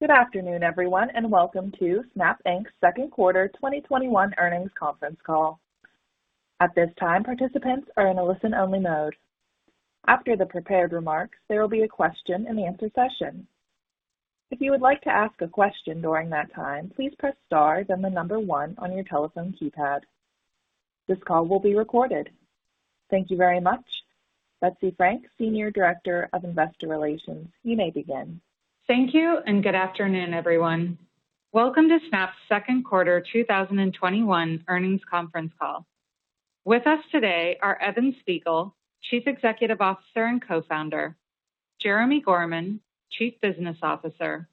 Good afternoon, everyone, and welcome to Snap Inc.'s second quarter 2021 earnings conference call. At this time, participants are in a listen-only mode. After the prepared remarks, there will be a Q&A session. If you would like to ask a question during that time, please press star then the number one on your telephone keypad. This call will be recorded. Thank you very much. Betsy Frank, Senior Director of Investor Relations, you may begin. Thank you, and good afternoon, everyone. Welcome to Snap's Q2 2021 earnings conference call. With us today are Evan Spiegel, Chief Executive Officer and Co-founder, Jeremi Gorman, Chief Business Officer,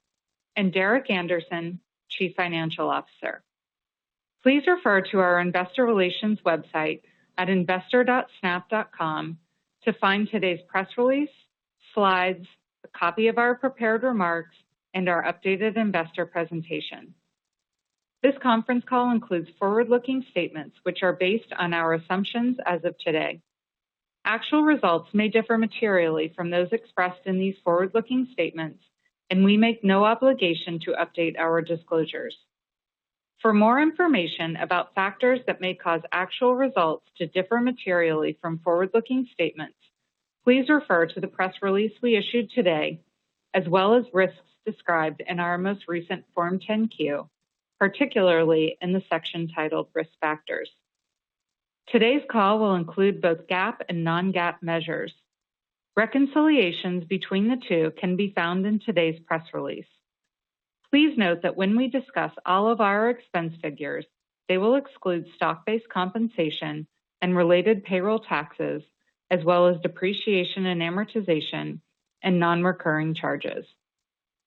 and Derek Andersen, Chief Financial Officer. Please refer to our investor relations website at investor.snap.com to find today's press release, slides, a copy of our prepared remarks, and our updated investor presentation. This conference call includes forward-looking statements which are based on our assumptions as of today. Actual results may differ materially from those expressed in these forward-looking statements, and we make no obligation to update our disclosures. For more information about factors that may cause actual results to differ materially from forward-looking statements, please refer to the press release we issued today, as well as risks described in our most recent Form 10-Q, particularly in the section titled Risk Factors. Today's call will include both GAAP and non-GAAP measures. Reconciliations between the two can be found in today's press release. Please note that when we discuss all of our expense figures, they will exclude stock-based compensation and related payroll taxes, as well as depreciation and amortization and non-recurring charges.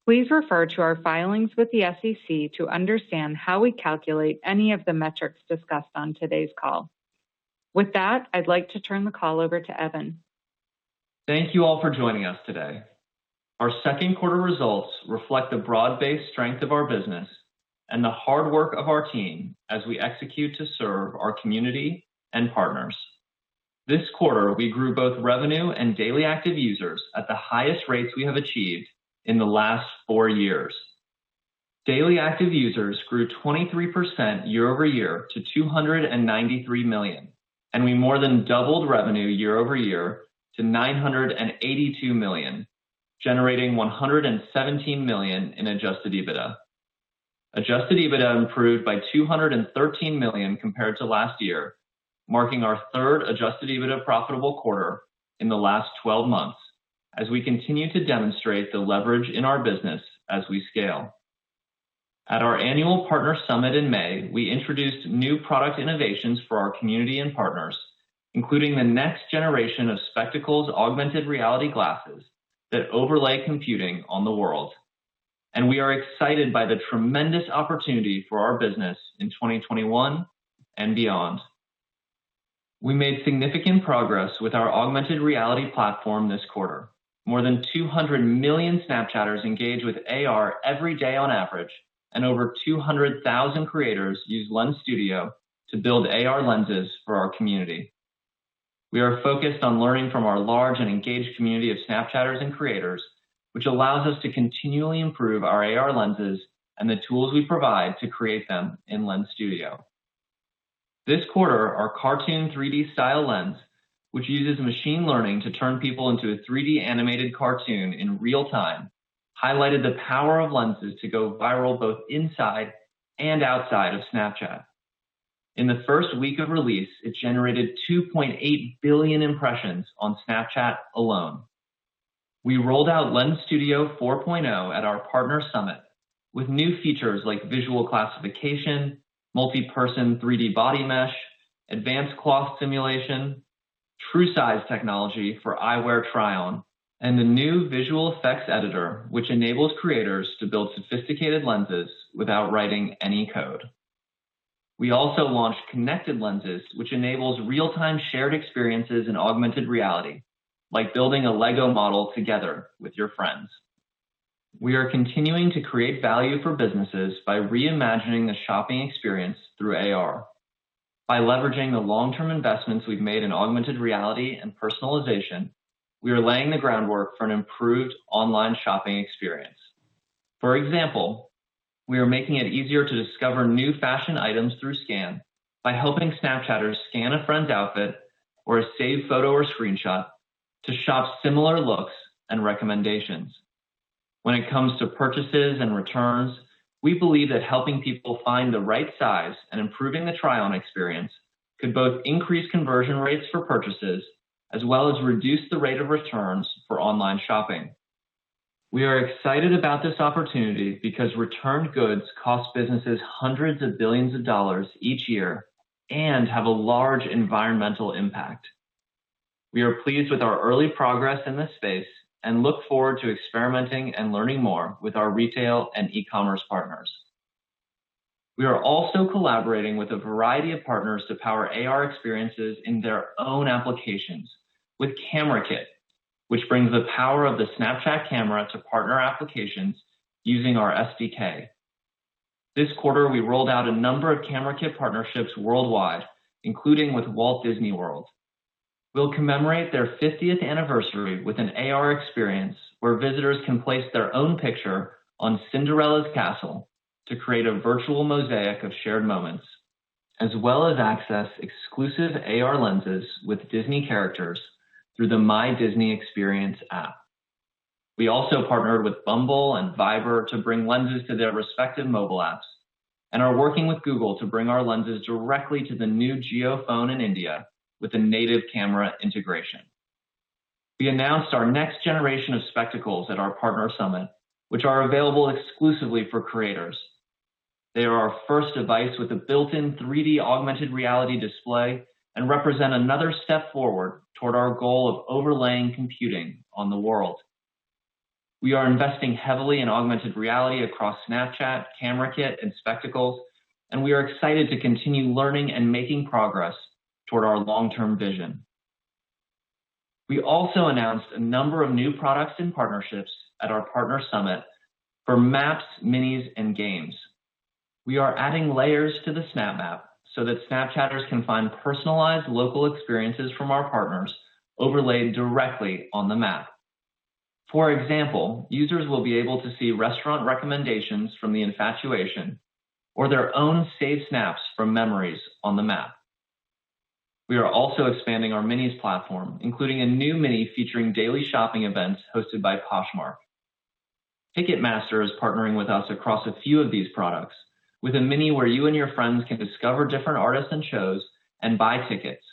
Please refer to our filings with the SEC to understand how we calculate any of the metrics discussed on today's call. With that, I'd like to turn the call over to Evan. Thank you all for joining us today. Our second quarter results reflect the broad-based strength of our business and the hard work of our team as we execute to serve our community and partners. This quarter, we grew both revenue and daily active users at the highest rates we have achieved in the last four years. Daily active users grew 23% year-over-year to $293 million. We more than doubled revenue year-over-year to $982 million, generating $117 million in adjusted EBITDA. Adjusted EBITDA improved by $213 million compared to last year, marking our third adjusted EBITDA profitable quarter in the last 12 months as we continue to demonstrate the leverage in our business as we scale. At our annual Partner Summit in May, we introduced new product innovations for our community and partners, including the next generation of Spectacles augmented reality glasses that overlay computing on the world, and we are excited by the tremendous opportunity for our business in 2021 and beyond. We made significant progress with our augmented reality platform this quarter. More than 200 million Snapchatters engage with AR every day on average, and over 200,000 creators use Lens Studio to build AR Lenses for our community. We are focused on learning from our large and engaged community of Snapchatters and creators, which allows us to continually improve our AR Lenses and the tools we provide to create them in Lens Studio. This quarter, our cartoon 3D style Lens, which uses machine learning to turn people into a 3D animated cartoon in real time, highlighted the power of Lenses to go viral both inside and outside of Snapchat. In the first week of release, it generated 2.8 billion impressions on Snapchat alone. We rolled out Lens Studio 4.0 at our Partner Summit with new features like visual classification, multi-person 3D body mesh, advanced cloth simulation, True Size technology for eyewear try-on, and the new visual effects editor, which enables creators to build sophisticated Lenses without writing any code. We also launched Connected Lenses, which enables real-time shared experiences in augmented reality, like building a LEGO model together with your friends. We are continuing to create value for businesses by reimagining the shopping experience through AR. By leveraging the long-term investments we've made in augmented reality and personalization, we are laying the groundwork for an improved online shopping experience. For example, we are making it easier to discover new fashion items through scan by helping Snapchatters scan a friend's outfit or a saved photo or Screenshop to shop similar looks and recommendations. When it comes to purchases and returns, we believe that helping people find the right size and improving the try-on experience could both increase conversion rates for purchases as well as reduce the rate of returns for online shopping. We are excited about this opportunity because returned goods cost businesses hundreds of billions of dollars each year and have a large environmental impact. We are pleased with our early progress in this space and look forward to experimenting and learning more with our retail and e-commerce partners. We are also collaborating with a variety of partners to power AR experiences in their own applications with Camera Kit, which brings the power of the Snapchat camera to partner applications using our SDK. This quarter, we rolled out a number of Camera Kit partnerships worldwide, including with Walt Disney World. We'll commemorate their 50th anniversary with an AR experience where visitors can place their own picture on Cinderella's castle to create a virtual mosaic of shared moments, as well as access exclusive AR Lenses with Disney characters through the My Disney Experience app. We also partnered with Bumble and Viber to bring Lenses to their respective mobile apps and are working with Google to bring our Lenses directly to the new JioPhone in India with a native camera integration. We announced our next generation of Spectacles at our Partner Summit, which are available exclusively for creators. They are our first device with a built-in 3D augmented reality display and represent another step forward toward our goal of overlaying computing on the world. We are investing heavily in augmented reality across Snapchat, Camera Kit, and Spectacles, and we are excited to continue learning and making progress toward our long-term vision. We also announced a number of new products and partnerships at our Partner Summit for Maps, Minis, and Games. We are adding layers to the Snap Map so that Snapchatters can find personalized local experiences from our partners overlaid directly on the map. For example, users will be able to see restaurant recommendations from The Infatuation or their own saved snaps from memories on the map. We are also expanding our Minis platform, including a new Mini featuring daily shopping events hosted by Poshmark. Ticketmaster is partnering with us across a few of these products with a Mini where you and your friends can discover different artists and shows and buy tickets,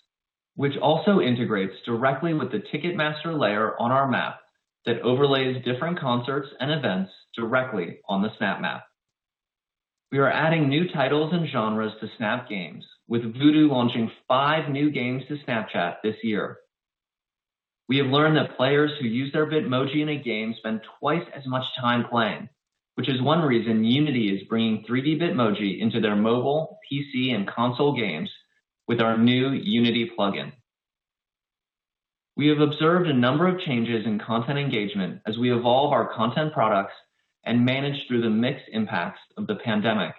which also integrates directly with the Ticketmaster layer on our map that overlays different concerts and events directly on the Snap Map. We are adding new titles and genres to Snap Games, with Voodoo launching five new games to Snapchat this year. We have learned that players who use their Bitmoji in a game spend twice as much time playing, which is one reason Unity is bringing 3D Bitmoji into their mobile, PC, and console games with our new Unity plugin. We have observed a number of changes in content engagement as we evolve our content products and manage through the mixed impacts of the pandemic.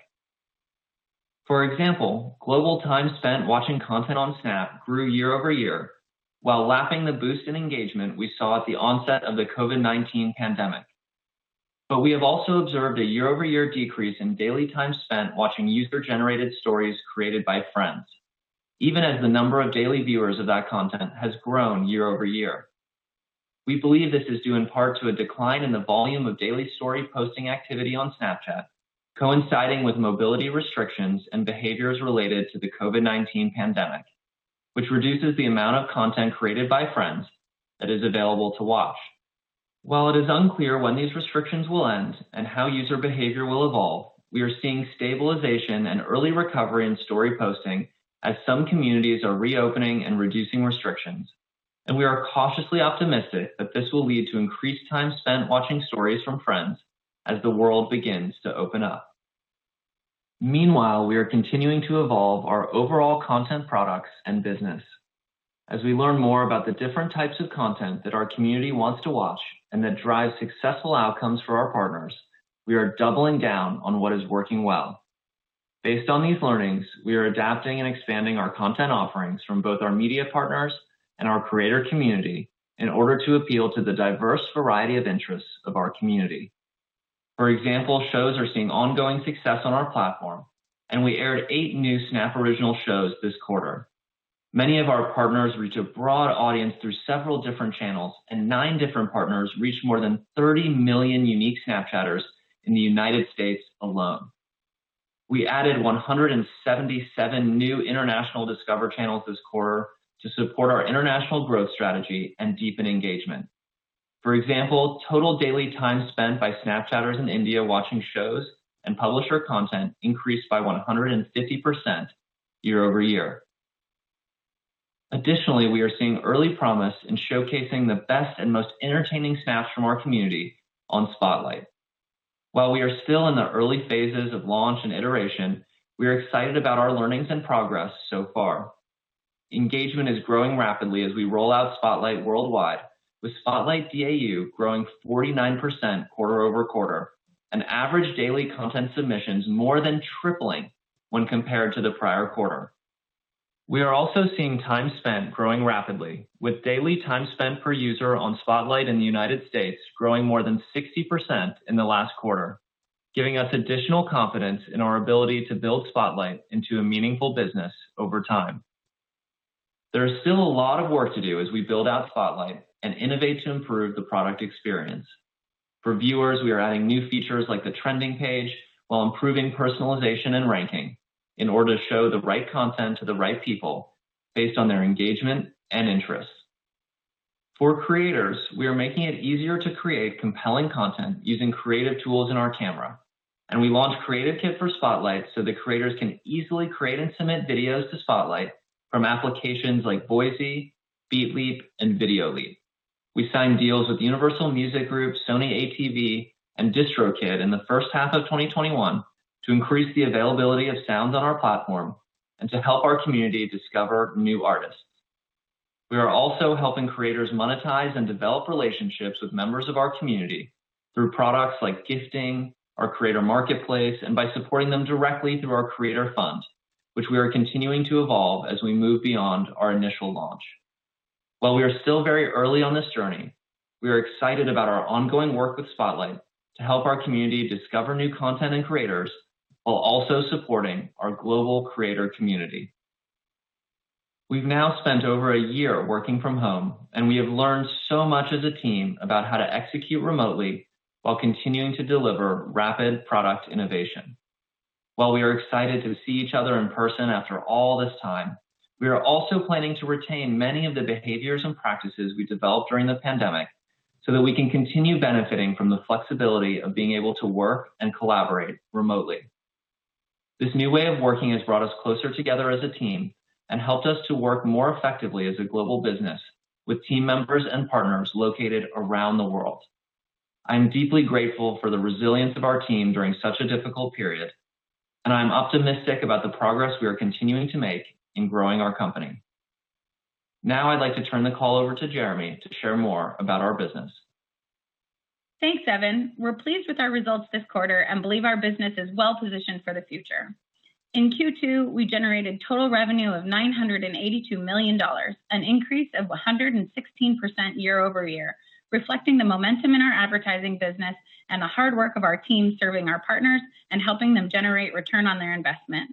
For example, global time spent watching content on Snap grew year-over-year while lapping the boost in engagement we saw at the onset of the COVID-19 pandemic. We have also observed a year-over-year decrease in daily time spent watching user-generated stories created by friends, even as the number of daily viewers of that content has grown year-over-year. We believe this is due in part to a decline in the volume of daily story posting activity on Snapchat, coinciding with mobility restrictions and behaviors related to the COVID-19 pandemic, which reduces the amount of content created by friends that is available to watch. While it is unclear when these restrictions will end and how user behavior will evolve, we are seeing stabilization and early recovery in Story posting as some communities are reopening and reducing restrictions, and we are cautiously optimistic that this will lead to increased time spent watching Stories from friends as the world begins to open up. Meanwhile, we are continuing to evolve our overall content products and business. As we learn more about the different types of content that our community wants to watch and that drives successful outcomes for our partners, we are doubling down on what is working well. Based on these learnings, we are adapting and expanding our content offerings from both our media partners and our creator community in order to appeal to the diverse variety of interests of our community. For example, shows are seeing ongoing success on our platform, and we aired eight new Snap Original shows this quarter. Many of our partners reach a broad audience through several different channels, and nine different partners reached more than 30 million unique Snapchatters in the U.S. alone. We added 177 new international Discover channels this quarter to support our international growth strategy and deepen engagement. For example, total daily time spent by Snapchatters in India watching shows and publisher content increased by 150% year-over-year. Additionally, we are seeing early promise in showcasing the best and most entertaining snaps from our community on Spotlight. While we are still in the early phases of launch and iteration, we are excited about our learnings and progress so far. Engagement is growing rapidly as we roll out Spotlight worldwide, with Spotlight DAU growing 49% quarter-over-quarter, and average daily content submissions more than tripling when compared to the prior quarter. We are also seeing time spent growing rapidly with daily time spent per user on Spotlight in the United States growing more than 60% in the last quarter, giving us additional confidence in our ability to build Spotlight into a meaningful business over time. There is still a lot of work to do as we build out Spotlight and innovate to improve the product experience. For viewers, we are adding new features like the trending page while improving personalization and ranking in order to show the right content to the right people based on their engagement and interests. For creators, we are making it easier to create compelling content using creative tools in our camera, and we launched Creative Kit for Spotlight so that creators can easily create and submit videos to Spotlight from applications like Voicy, Beatleap, and Videoleap. We signed deals with Universal Music Group, Sony/ATV, and DistroKid in the first half of 2021 to increase the availability of sounds on our platform and to help our community discover new artists. We are also helping creators monetize and develop relationships with members of our community through products like gifting, our creator marketplace, and by supporting them directly through our creator fund, which we are continuing to evolve as we move beyond our initial launch. While we are still very early on this journey, we are excited about our ongoing work with Spotlight to help our community discover new content and creators, while also supporting our global creator community. We've now spent over a year working from home, and we have learned so much as a team about how to execute remotely while continuing to deliver rapid product innovation. While we are excited to see each other in person after all this time, we are also planning to retain many of the behaviors and practices we developed during the pandemic so that we can continue benefiting from the flexibility of being able to work and collaborate remotely. This new way of working has brought us closer together as a team and helped us to work more effectively as a global business with team members and partners located around the world. I'm deeply grateful for the resilience of our team during such a difficult period, and I'm optimistic about the progress we are continuing to make in growing our company. Now I'd like to turn the call over to Jeremi to share more about our business. Thanks, Evan. We're pleased with our results this quarter and believe our business is well-positioned for the future. In Q2, we generated total revenue of $982 million, an increase of 116% year-over-year, reflecting the momentum in our advertising business and the hard work of our team serving our partners and helping them generate return on their investment.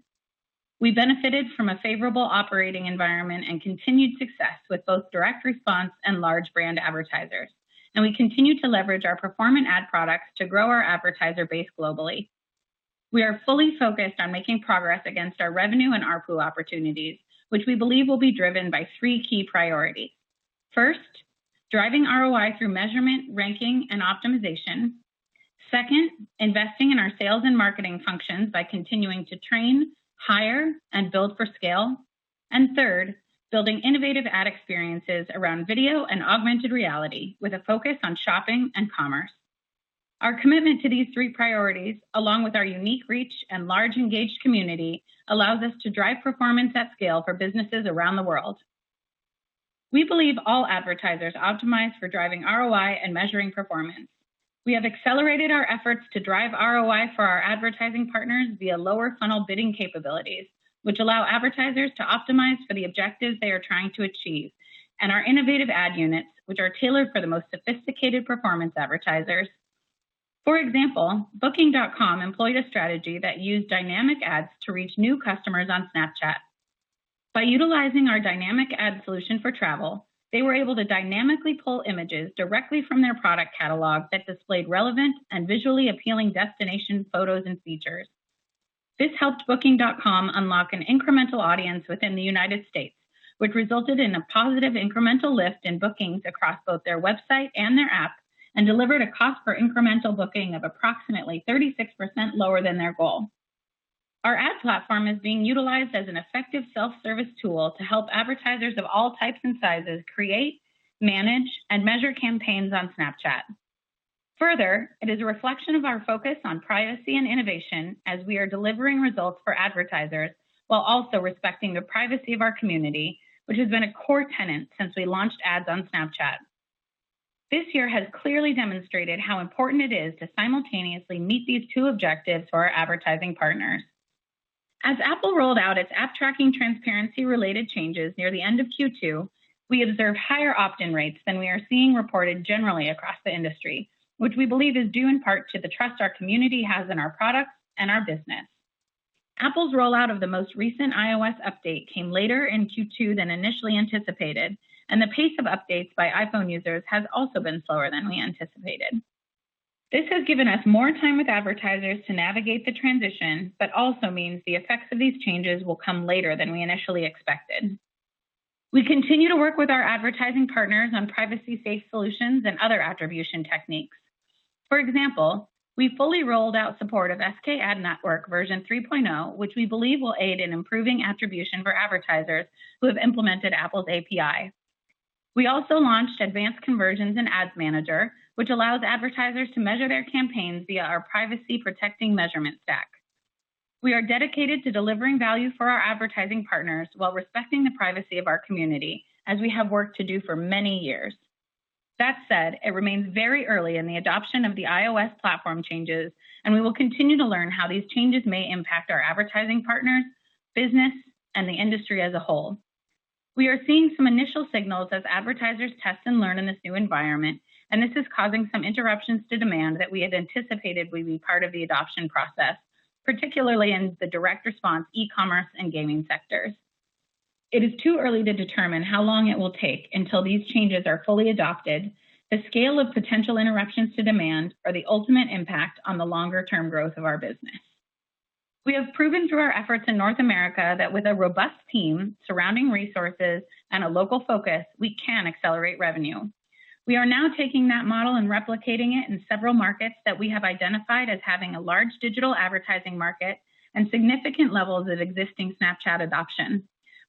We benefited from a favorable operating environment and continued success with both direct response and large brand advertisers, and we continue to leverage our performant ad products to grow our advertiser base globally. We are fully focused on making progress against our revenue and ARPU opportunities, which we believe will be driven by three key priorities. First, driving ROI through measurement, ranking, and optimization. Second, investing in our sales and marketing functions by continuing to train, hire, and build for scale. Third, building innovative ad experiences around video and augmented reality with a focus on shopping and commerce. Our commitment to these three priorities, along with our unique reach and large engaged community, allows us to drive performance at scale for businesses around the world. We believe all advertisers optimize for driving ROI and measuring performance. We have accelerated our efforts to drive ROI for our advertising partners via lower funnel bidding capabilities, which allow advertisers to optimize for the objectives they are trying to achieve, and our innovative ad units, which are tailored for the most sophisticated performance advertisers. For example, Booking.com employed a strategy that Dynamic Ads to reach new customers on Snapchat. By utilizing our Dynamic Ad solution for travel, they were able to dynamically pull images directly from their product catalog that displayed relevant and visually appealing destination photos and features. This helped Booking.com unlock an incremental audience within the United States, which resulted in a positive incremental lift in bookings across both their website and their app, and delivered a cost per incremental booking of approximately 36% lower than their goal. Our ad platform is being utilized as an effective self-service tool to help advertisers of all types and sizes create, manage, and measure campaigns on Snapchat. Further, it is a reflection of our focus on privacy and innovation as we are delivering results for advertisers, while also respecting the privacy of our community, which has been a core tenet since we launched ads on Snapchat. This year has clearly demonstrated how important it is to simultaneously meet these two objectives for our advertising partners. As Apple rolled out its App Tracking Transparency-related changes near the end of Q2, we observed higher opt-in rates than we are seeing reported generally across the industry, which we believe is due in part to the trust our community has in our products and our business. Apple's rollout of the most recent iOS update came later in Q2 than initially anticipated, and the pace of updates by iPhone users has also been slower than we anticipated. This has given us more time with advertisers to navigate the transition, but also means the effects of these changes will come later than we initially expected. We continue to work with our advertising partners on privacy safe solutions and other attribution techniques. For example, we fully rolled out support of SKAdNetwork version 3.0, which we believe will aid in improving attribution for advertisers who have implemented Apple's API. We also launched Advanced Conversions in Ads Manager, which allows advertisers to measure their campaigns via our privacy-protecting measurement stack. We are dedicated to delivering value for our advertising partners while respecting the privacy of our community, as we have worked to do for many years. That said, it remains very early in the adoption of the iOS platform changes, and we will continue to learn how these changes may impact our advertising partners, business, and the industry as a whole. We are seeing some initial signals as advertisers test and learn in this new environment, and this is causing some interruptions to demand that we had anticipated would be part of the adoption process, particularly in the direct response, e-commerce, and gaming sectors. It is too early to determine how long it will take until these changes are fully adopted, the scale of potential interruptions to demand, or the ultimate impact on the longer-term growth of our business. We have proven through our efforts in North America that with a robust team, surrounding resources, and a local focus, we can accelerate revenue. We are now taking that model and replicating it in several markets that we have identified as having a large digital advertising market and significant levels of existing Snapchat adoption.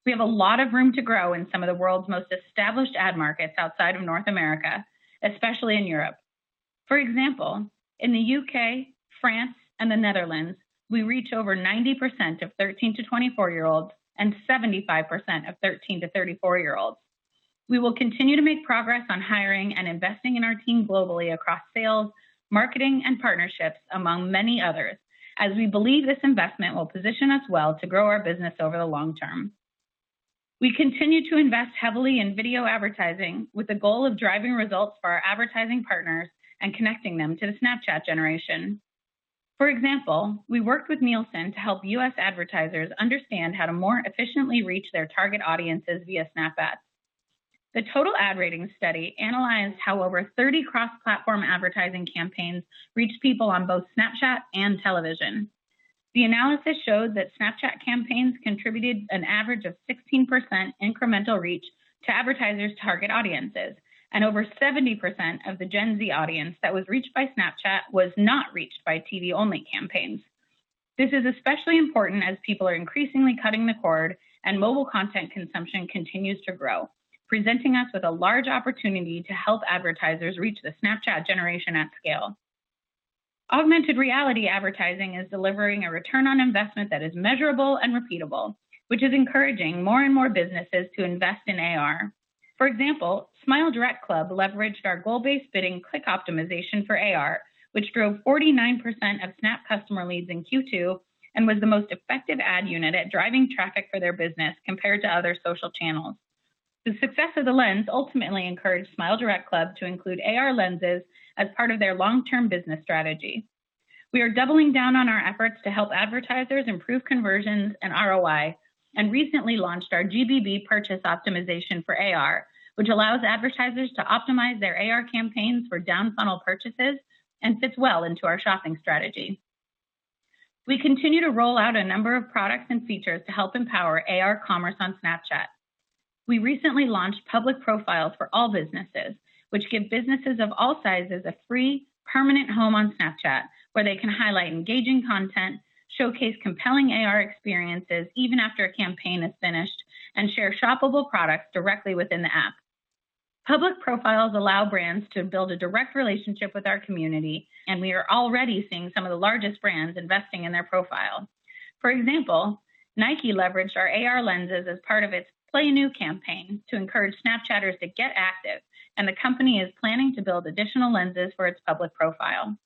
We have a lot of room to grow in some of the world's most established ad markets outside of North America, especially in Europe. For example, in the U.K., France, and the Netherlands, we reach over 90% of 13-year-olds to 24-year-olds and 75% of 13-year-olds to 34-year-olds. We will continue to make progress on hiring and investing in our team globally across sales, marketing, and partnerships, among many others, as we believe this investment will position us well to grow our business over the long term. We continue to invest heavily in video advertising with the goal of driving results for our advertising partners and connecting them to the Snapchat generation. For example, we worked with Nielsen to help U.S. advertisers understand how to more efficiently reach their target audiences via Snap Ads. The Total Ad Ratings study analyzed how over 30 cross-platform advertising campaigns reached people on both Snapchat and television. The analysis showed that Snapchat campaigns contributed an average of 16% incremental reach to advertisers' target audiences, and over 70% of the Gen Z audience that was reached by Snapchat was not reached by TV-only campaigns. This is especially important as people are increasingly cutting the cord and mobile content consumption continues to grow, presenting us with a large opportunity to help advertisers reach the Snapchat generation at scale. Augmented reality advertising is delivering a return on investment that is measurable and repeatable, which is encouraging more and more businesses to invest in AR. For example, SmileDirectClub leveraged our Goal-Based Bidding click optimization for AR, which drove 49% of Snap customer leads in Q2, and was the most effective ad unit at driving traffic for their business compared to other social channels. The success of the Lens ultimately encouraged SmileDirectClub to include AR Lenses as part of their long-term business strategy. We are doubling down on our efforts to help advertisers improve conversions and ROI, and recently launched our GBB purchase optimization for AR, which allows advertisers to optimize their AR campaigns for down-funnel purchases and fits well into our shopping strategy. We continue to roll out a number of products and features to help empower AR commerce on Snapchat. We recently launched Public Profiles for all businesses, which give businesses of all sizes a free permanent home on Snapchat, where they can highlight engaging content, showcase compelling AR experiences even after a campaign is finished, and share shoppable products directly within the app. Public Profiles allow brands to build a direct relationship with our community, and we are already seeing some of the largest brands investing in their profile. For example, Nike leveraged our AR lenses as part of its Play New campaign to encourage Snapchatters to get active, and the company is planning to build additional lenses for its Public Profile.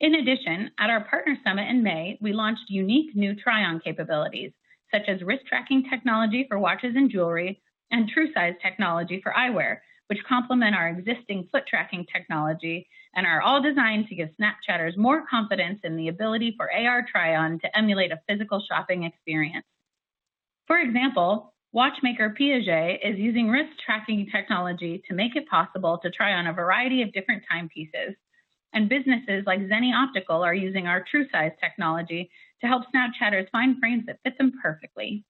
In addition, at our Partner Summit in May, we launched unique new try-on capabilities, such as wrist-tracking technology for watches and jewelry, and True Size technology for eyewear, which complement our existing foot-tracking technology and are all designed to give Snapchatters more confidence in the ability for AR try-on to emulate a physical shopping experience. For example, watchmaker Piaget is using wrist-tracking technology to make it possible to try on a variety of different timepieces, and businesses like Zenni Optical are using our True Size technology to help Snapchatters find frames that fit them perfectly.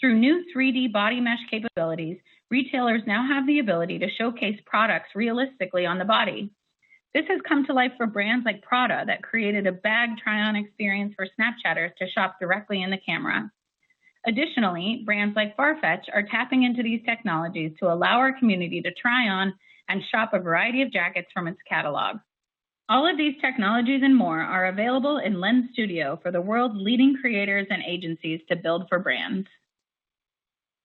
Through new 3D body mesh capabilities, retailers now have the ability to showcase products realistically on the body. This has come to life for brands like Prada that created a bag try-on experience for Snapchatters to shop directly in the camera. Additionally, brands like Farfetch are tapping into these technologies to allow our community to try on and shop a variety of jackets from its catalog. All of these technologies and more are available in Lens Studio for the world's leading creators and agencies to build for brands.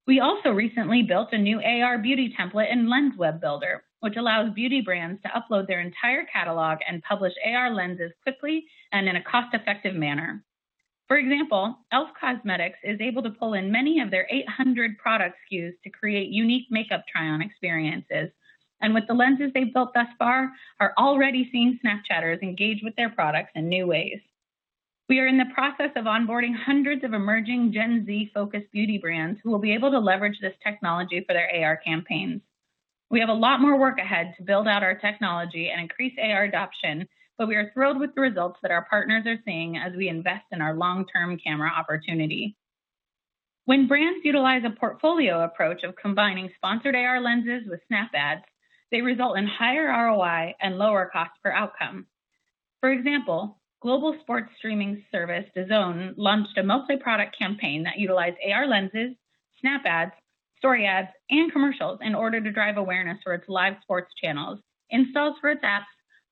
We also recently built a new AR beauty template in Lens Web Builder, which allows beauty brands to upload their entire catalog and publish AR Lenses quickly and in a cost-effective manner. For example, e.l.f. Cosmetics is able to pull in many of their 800 product SKUs to create unique makeup try-on experiences, and with the Lenses they've built thus far, are already seeing Snapchatters engage with their products in new ways. We are in the process of onboarding hundreds of emerging Gen Z-focused beauty brands who will be able to leverage this technology for their AR campaigns. We have a lot more work ahead to build out our technology and increase AR adoption, but we are thrilled with the results that our partners are seeing as we invest in our long-term camera opportunity. When brands utilize a portfolio approach of combining sponsored AR Lenses with Snap Ads, they result in higher ROI and lower cost per outcome. For example, global sports streaming service DAZN launched a multi-product campaign that utilized AR Lenses, Snap Ads, Story Ads, and commercials in order to drive awareness for its live sports channels, installs for its apps,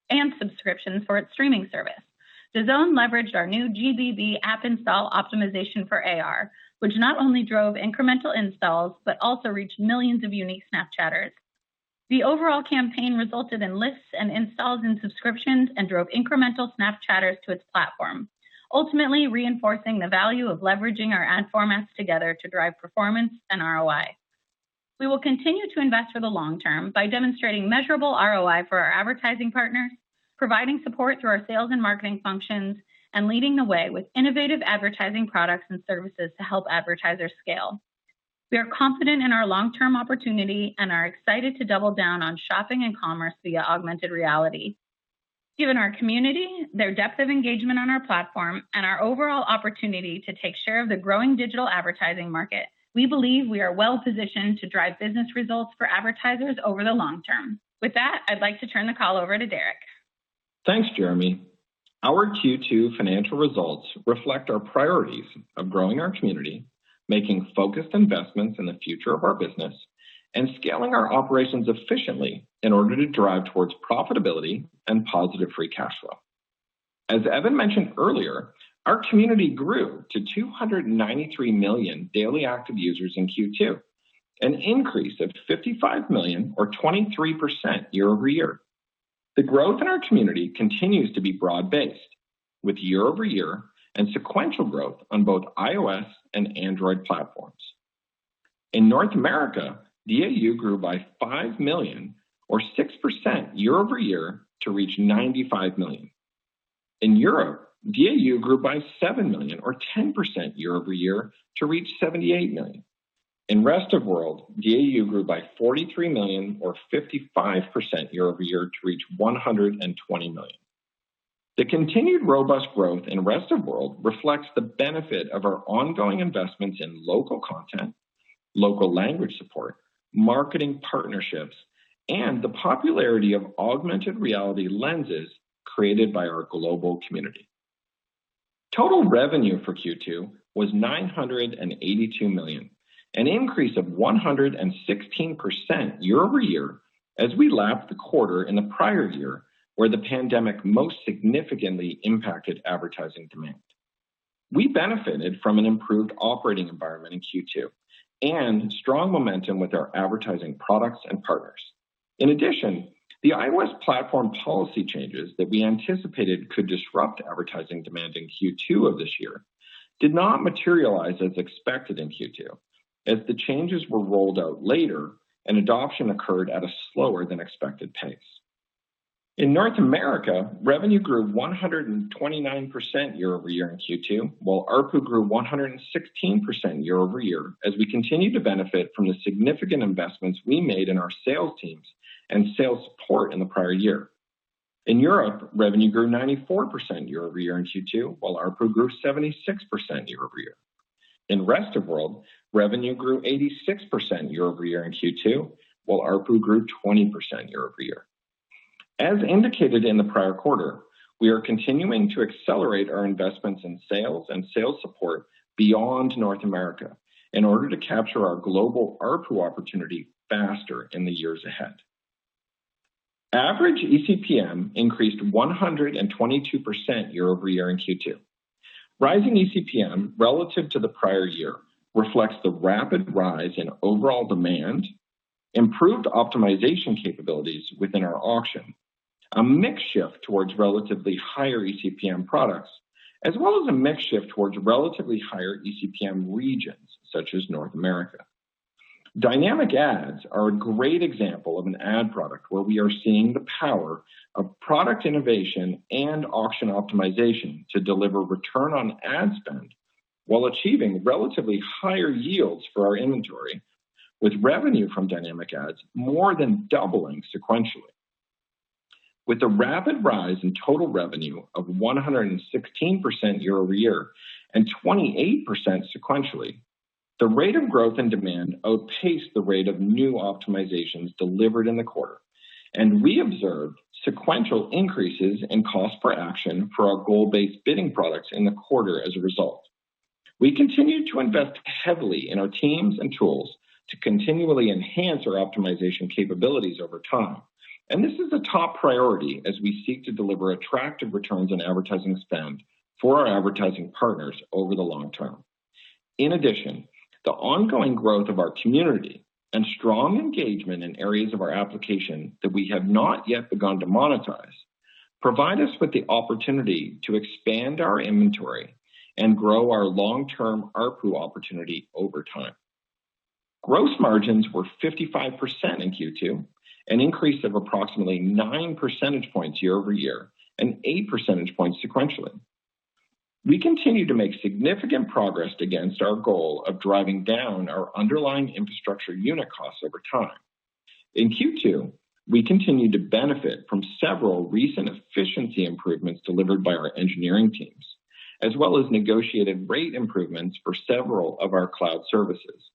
and subscriptions for its streaming service. DAZN leveraged our new GBB app install optimization for AR, which not only drove incremental installs but also reached millions of unique Snapchatters. The overall campaign resulted in lifts in installs and subscriptions and drove incremental Snapchatters to its platform, ultimately reinforcing the value of leveraging our ad formats together to drive performance and ROI. We will continue to invest for the long term by demonstrating measurable ROI for our advertising partners, providing support through our sales and marketing functions, and leading the way with innovative advertising products and services to help advertisers scale. We are confident in our long-term opportunity and are excited to double down on shopping and commerce via augmented reality. Given our community, their depth of engagement on our platform, and our overall opportunity to take share of the growing digital advertising market, we believe we are well positioned to drive business results for advertisers over the long term. With that, I'd like to turn the call over to Derek. Thanks, Jeremi. Our Q2 financial results reflect our priorities of growing our community, making focused investments in the future of our business, and scaling our operations efficiently in order to drive towards profitability and positive free cash flow. As Evan mentioned earlier, our community grew to 293 million daily active users in Q2, an increase of 55 million or 23% year-over-year. The growth in our community continues to be broad-based, with year-over-year and sequential growth on both iOS and Android platforms. In North America, DAU grew by 5 million or 6% year-over-year to reach 95 million. In Europe, DAU grew by 7 million or 10% year-over-year to reach 78 million. In rest of world, DAU grew by 43 million or 55% year-over-year to reach 120 million. The continued robust growth in rest of world reflects the benefit of our ongoing investments in local content, local language support, marketing partnerships, and the popularity of augmented reality Lenses created by our global community. Total revenue for Q2 was $982 million, an increase of 116% year-over-year as we lap the quarter in the prior year, where the pandemic most significantly impacted advertising demand. We benefited from an improved operating environment in Q2 and strong momentum with our advertising products and partners. In addition, the iOS platform policy changes that we anticipated could disrupt advertising demand in Q2 of this year did not materialize as expected in Q2, as the changes were rolled out later and adoption occurred at a slower than expected pace. In North America, revenue grew 129% year-over-year in Q2, while ARPU grew 116% year-over-year as we continue to benefit from the significant investments we made in our sales teams and sales support in the prior year. In Europe, revenue grew 94% year-over-year in Q2, while ARPU grew 76% year-over-year. In rest of world, revenue grew 86% year-over-year in Q2, while ARPU grew 20% year-over-year. As indicated in the prior quarter, we are continuing to accelerate our investments in sales and sales support beyond North America in order to capture our global ARPU opportunity faster in the years ahead. Average eCPM increased 122% year-over-year in Q2. Rising eCPM relative to the prior year reflects the rapid rise in overall demand, improved optimization capabilities within our auction, a mix shift towards relatively higher eCPM products, as well as a mix shift towards relatively higher eCPM regions such as North America. Dynamic Ads are a great example of an ad product where we are seeing the power of product innovation and auction optimization to deliver return on ad spend while achieving relatively higher yields for our inventory with revenue Dynamic Ads more than doubling sequentially. With the rapid rise in total revenue of 116% year-over-year and 28% sequentially, the rate of growth and demand outpaced the rate of new optimizations delivered in the quarter, and we observed sequential increases in cost per action for our goal-based bidding products in the quarter as a result. We continue to invest heavily in our teams and tools to continually enhance our optimization capabilities over time, and this is a top priority as we seek to deliver attractive returns on advertising spend for our advertising partners over the long term. The ongoing growth of our community and strong engagement in areas of our application that we have not yet begun to monetize provide us with the opportunity to expand our inventory and grow our long-term ARPU opportunity over time. Gross margins were 55% in Q2, an increase of approximately 9 percentage points year-over-year and 8 percentage points sequentially. We continue to make significant progress against our goal of driving down our underlying infrastructure unit costs over time. In Q2, we continued to benefit from several recent efficiency improvements delivered by our engineering teams, as well as negotiated rate improvements for several of our cloud services.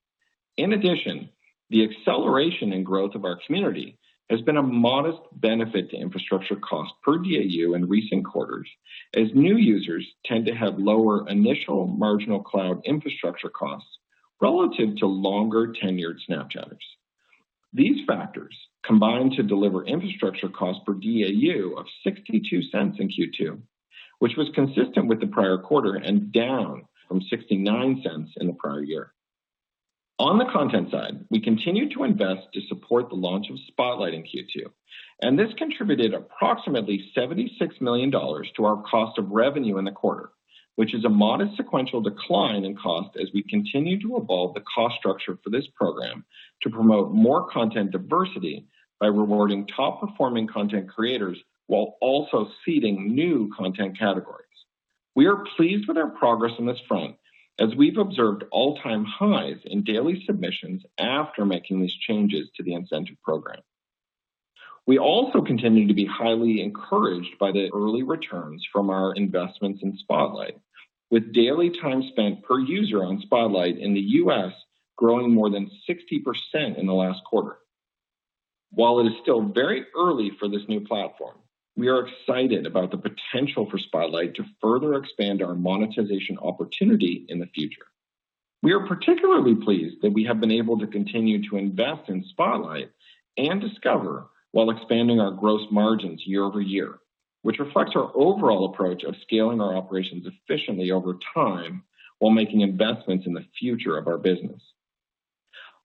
In addition, the acceleration and growth of our community has been a modest benefit to infrastructure cost per DAU in recent quarters, as new users tend to have lower initial marginal cloud infrastructure costs relative to longer-tenured Snapchatters. These factors combine to deliver infrastructure cost per DAU of $0.62 in Q2, which was consistent with the prior quarter and down from $0.69 in the prior year. On the content side, we continued to invest to support the launch of Spotlight in Q2, and this contributed approximately $76 million to our cost of revenue in the quarter, which is a modest sequential decline in cost as we continue to evolve the cost structure for this program to promote more content diversity by rewarding top-performing content creators while also seeding new content categories. We are pleased with our progress on this front, as we've observed all-time highs in daily submissions after making these changes to the incentive program. We also continue to be highly encouraged by the early returns from our investments in Spotlight, with daily time spent per user on Spotlight in the U.S. growing more than 60% in the last quarter. While it is still very early for this new platform, we are excited about the potential for Spotlight to further expand our monetization opportunity in the future. We are particularly pleased that we have been able to continue to invest in Spotlight and Discover while expanding our gross margins year-over-year, which reflects our overall approach of scaling our operations efficiently over time, while making investments in the future of our business.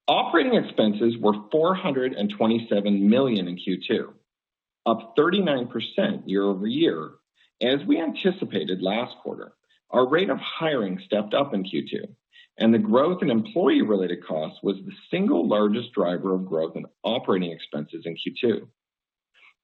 Operating expenses were $427 million in Q2, up 39% year-over-year. As we anticipated last quarter, our rate of hiring stepped up in Q2, the growth in employee-related costs was the single largest driver of growth in operating expenses in Q2.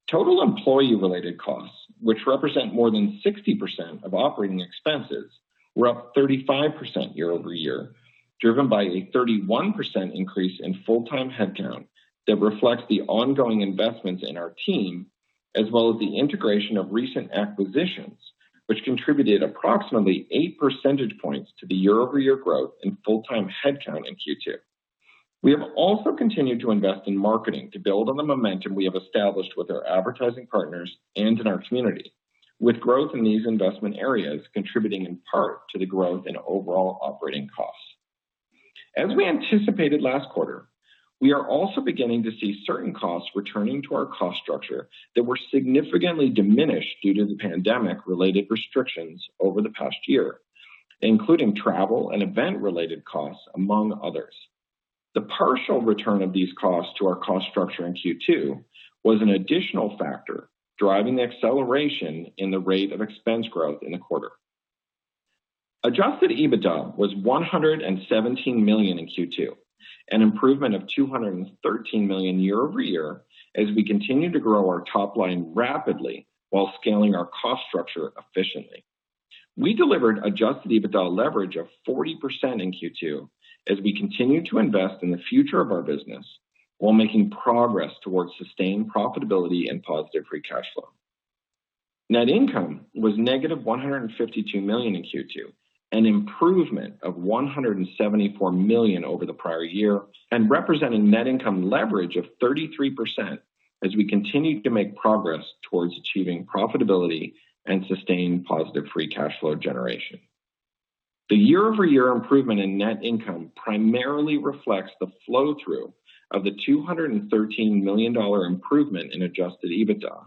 Total employee-related costs, which represent more than 60% of operating expenses, were up 35% year-over-year, driven by a 31% increase in full-time headcount that reflects the ongoing investments in our team, as well as the integration of recent acquisitions, which contributed approximately 8 percentage points to the year-over-year growth in full-time headcount in Q2. We have also continued to invest in marketing to build on the momentum we have established with our advertising partners and in our community, with growth in these investment areas contributing in part to the growth in overall operating costs. As we anticipated last quarter, we are also beginning to see certain costs returning to our cost structure that were significantly diminished due to the pandemic-related restrictions over the past year, including travel and event-related costs, among others. The partial return of these costs to our cost structure in Q2 was an additional factor driving the acceleration in the rate of expense growth in the quarter. Adjusted EBITDA was $117 million in Q2, an improvement of $213 million year-over-year, as we continue to grow our top line rapidly while scaling our cost structure efficiently. We delivered Adjusted EBITDA leverage of 40% in Q2 as we continue to invest in the future of our business while making progress towards sustained profitability and positive free cash flow. Net income was negative $152 million in Q2, an improvement of $174 million over the prior year and representing net income leverage of 33% as we continue to make progress towards achieving profitability and sustained positive free cash flow generation. The year-over-year improvement in net income primarily reflects the flow-through of the $213 million improvement in adjusted EBITDA,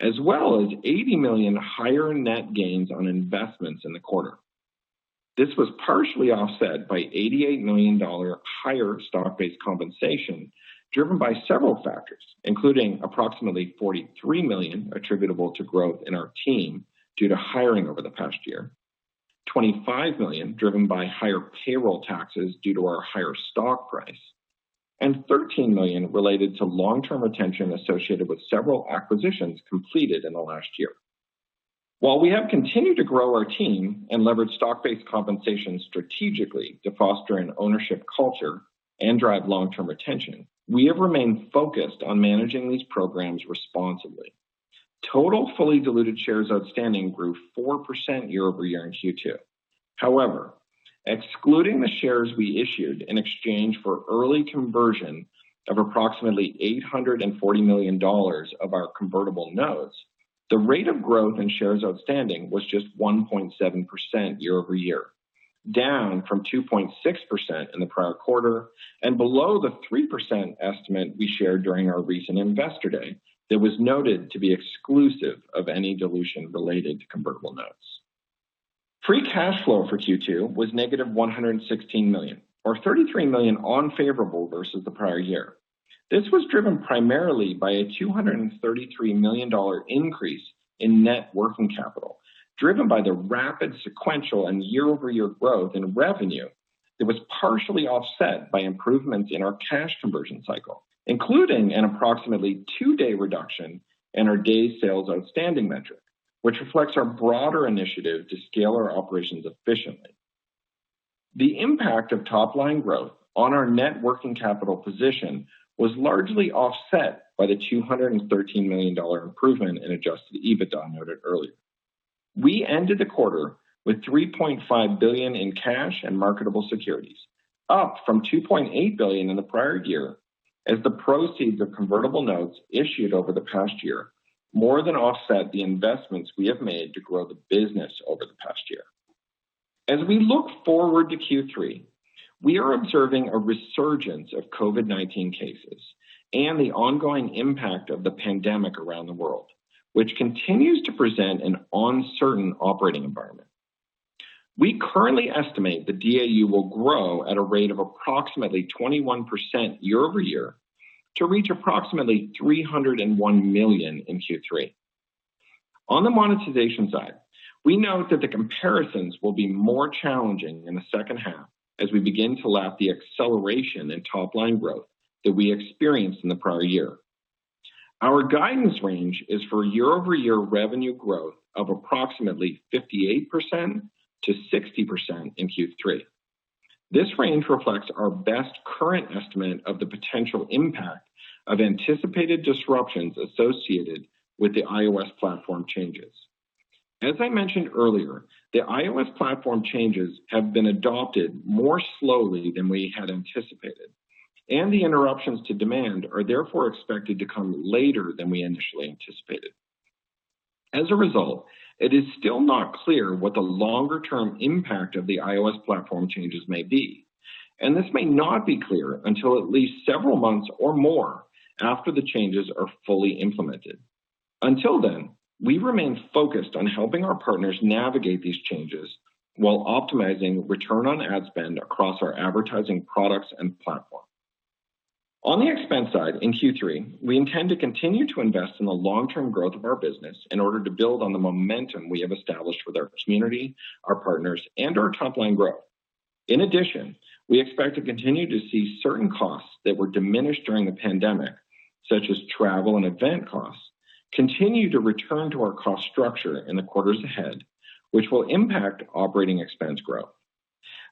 as well as $80 million higher net gains on investments in the quarter. This was partially offset by $88 million higher stock-based compensation, driven by several factors, including approximately $43 million attributable to growth in our team due to hiring over the past year, $25 million driven by higher payroll taxes due to our higher stock price, and $13 million related to long-term retention associated with several acquisitions completed in the last year. While we have continued to grow our team and leverage stock-based compensation strategically to foster an ownership culture and drive long-term retention, we have remained focused on managing these programs responsibly. Total fully diluted shares outstanding grew 4% year-over-year in Q2. Excluding the shares we issued in exchange for early conversion of approximately $840 million of our convertible notes, the rate of growth in shares outstanding was just 1.7% year-over-year, down from 2.6% in the prior quarter and below the 3% estimate we shared during our recent Investor Day that was noted to be exclusive of any dilution related to convertible notes. Free cash flow for Q2 was negative $116 million, or $33 million unfavorable versus the prior year. This was driven primarily by a $233 million increase in net working capital, driven by the rapid sequential and year-over-year growth in revenue that was partially offset by improvements in our cash conversion cycle, including an approximately two-day reduction in our days sales outstanding metric, which reflects our broader initiative to scale our operations efficiently. The impact of top-line growth on our net working capital position was largely offset by the $213 million improvement in adjusted EBITDA noted earlier. We ended the quarter with $3.5 billion in cash and marketable securities, up from $2.8 billion in the prior year as the proceeds of convertible notes issued over the past year more than offset the investments we have made to grow the business over the past year. As we look forward to Q3, we are observing a resurgence of COVID-19 cases and the ongoing impact of the pandemic around the world, which continues to present an uncertain operating environment. We currently estimate that DAU will grow at a rate of approximately 21% year-over-year to reach approximately 301 million in Q3. On the monetization side, we note that the comparisons will be more challenging in the second half as we begin to lap the acceleration in top-line growth that we experienced in the prior year. Our guidance range is for year-over-year revenue growth of approximately 58%-60% in Q3. This range reflects our best current estimate of the potential impact of anticipated disruptions associated with the iOS platform changes. As I mentioned earlier, the iOS platform changes have been adopted more slowly than we had anticipated, and the interruptions to demand are therefore expected to come later than we initially anticipated. As a result, it is still not clear what the longer-term impact of the iOS platform changes may be, and this may not be clear until at least several months or more after the changes are fully implemented. Until then, we remain focused on helping our partners navigate these changes while optimizing return on ad spend across our advertising products and platform. On the expense side, in Q3, we intend to continue to invest in the long-term growth of our business in order to build on the momentum we have established with our community, our partners, and our top-line growth. We expect to continue to see certain costs that were diminished during the pandemic, such as travel and event costs, continue to return to our cost structure in the quarters ahead, which will impact operating expense growth.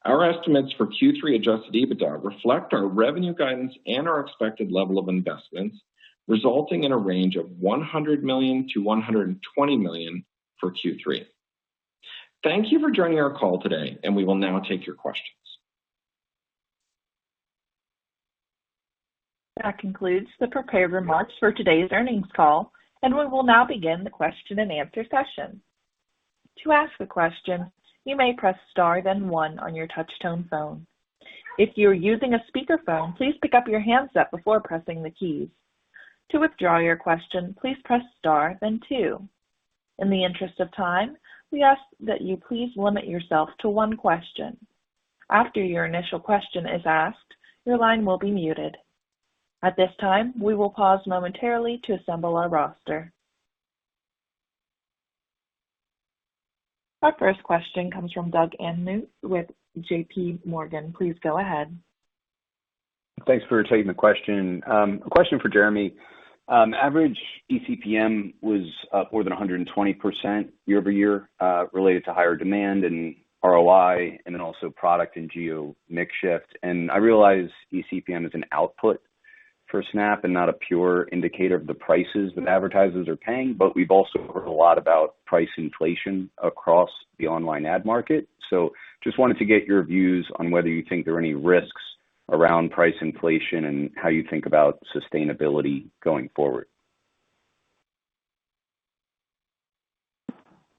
Our estimates for Q3 adjusted EBITDA reflect our revenue guidance and our expected level of investments, resulting in a range of $100 million-$120 million for Q3. Thank you for joining our call today. We will now take your questions. That concludes the prepared remarks for today's earnings call. We will now begin the Q&A session. To ask a question, you may press star then one on your touch-tone phone. If you are using a speaker phone, please pick up your handset before pressing the key. To withdraw your question, please press star then two. In the interest of time, we ask that you please limit yourself to one question. After your initial question is asked, your line will be muted. At this time, we will pause momentarily to assemble our roster. Our first question comes from Doug Anmuth with JPMorgan. Please go ahead. Thanks for taking the question. A question for Jeremi. Average eCPM was up more than 120% year-over-year, related to higher demand and ROI, and then also product and geo mix shift. I realize eCPM is an output for Snap and not a pure indicator of the prices that advertisers are paying. We've also heard a lot about price inflation across the online ad market. Just wanted to get your views on whether you think there are any risks around price inflation and how you think about sustainability going forward.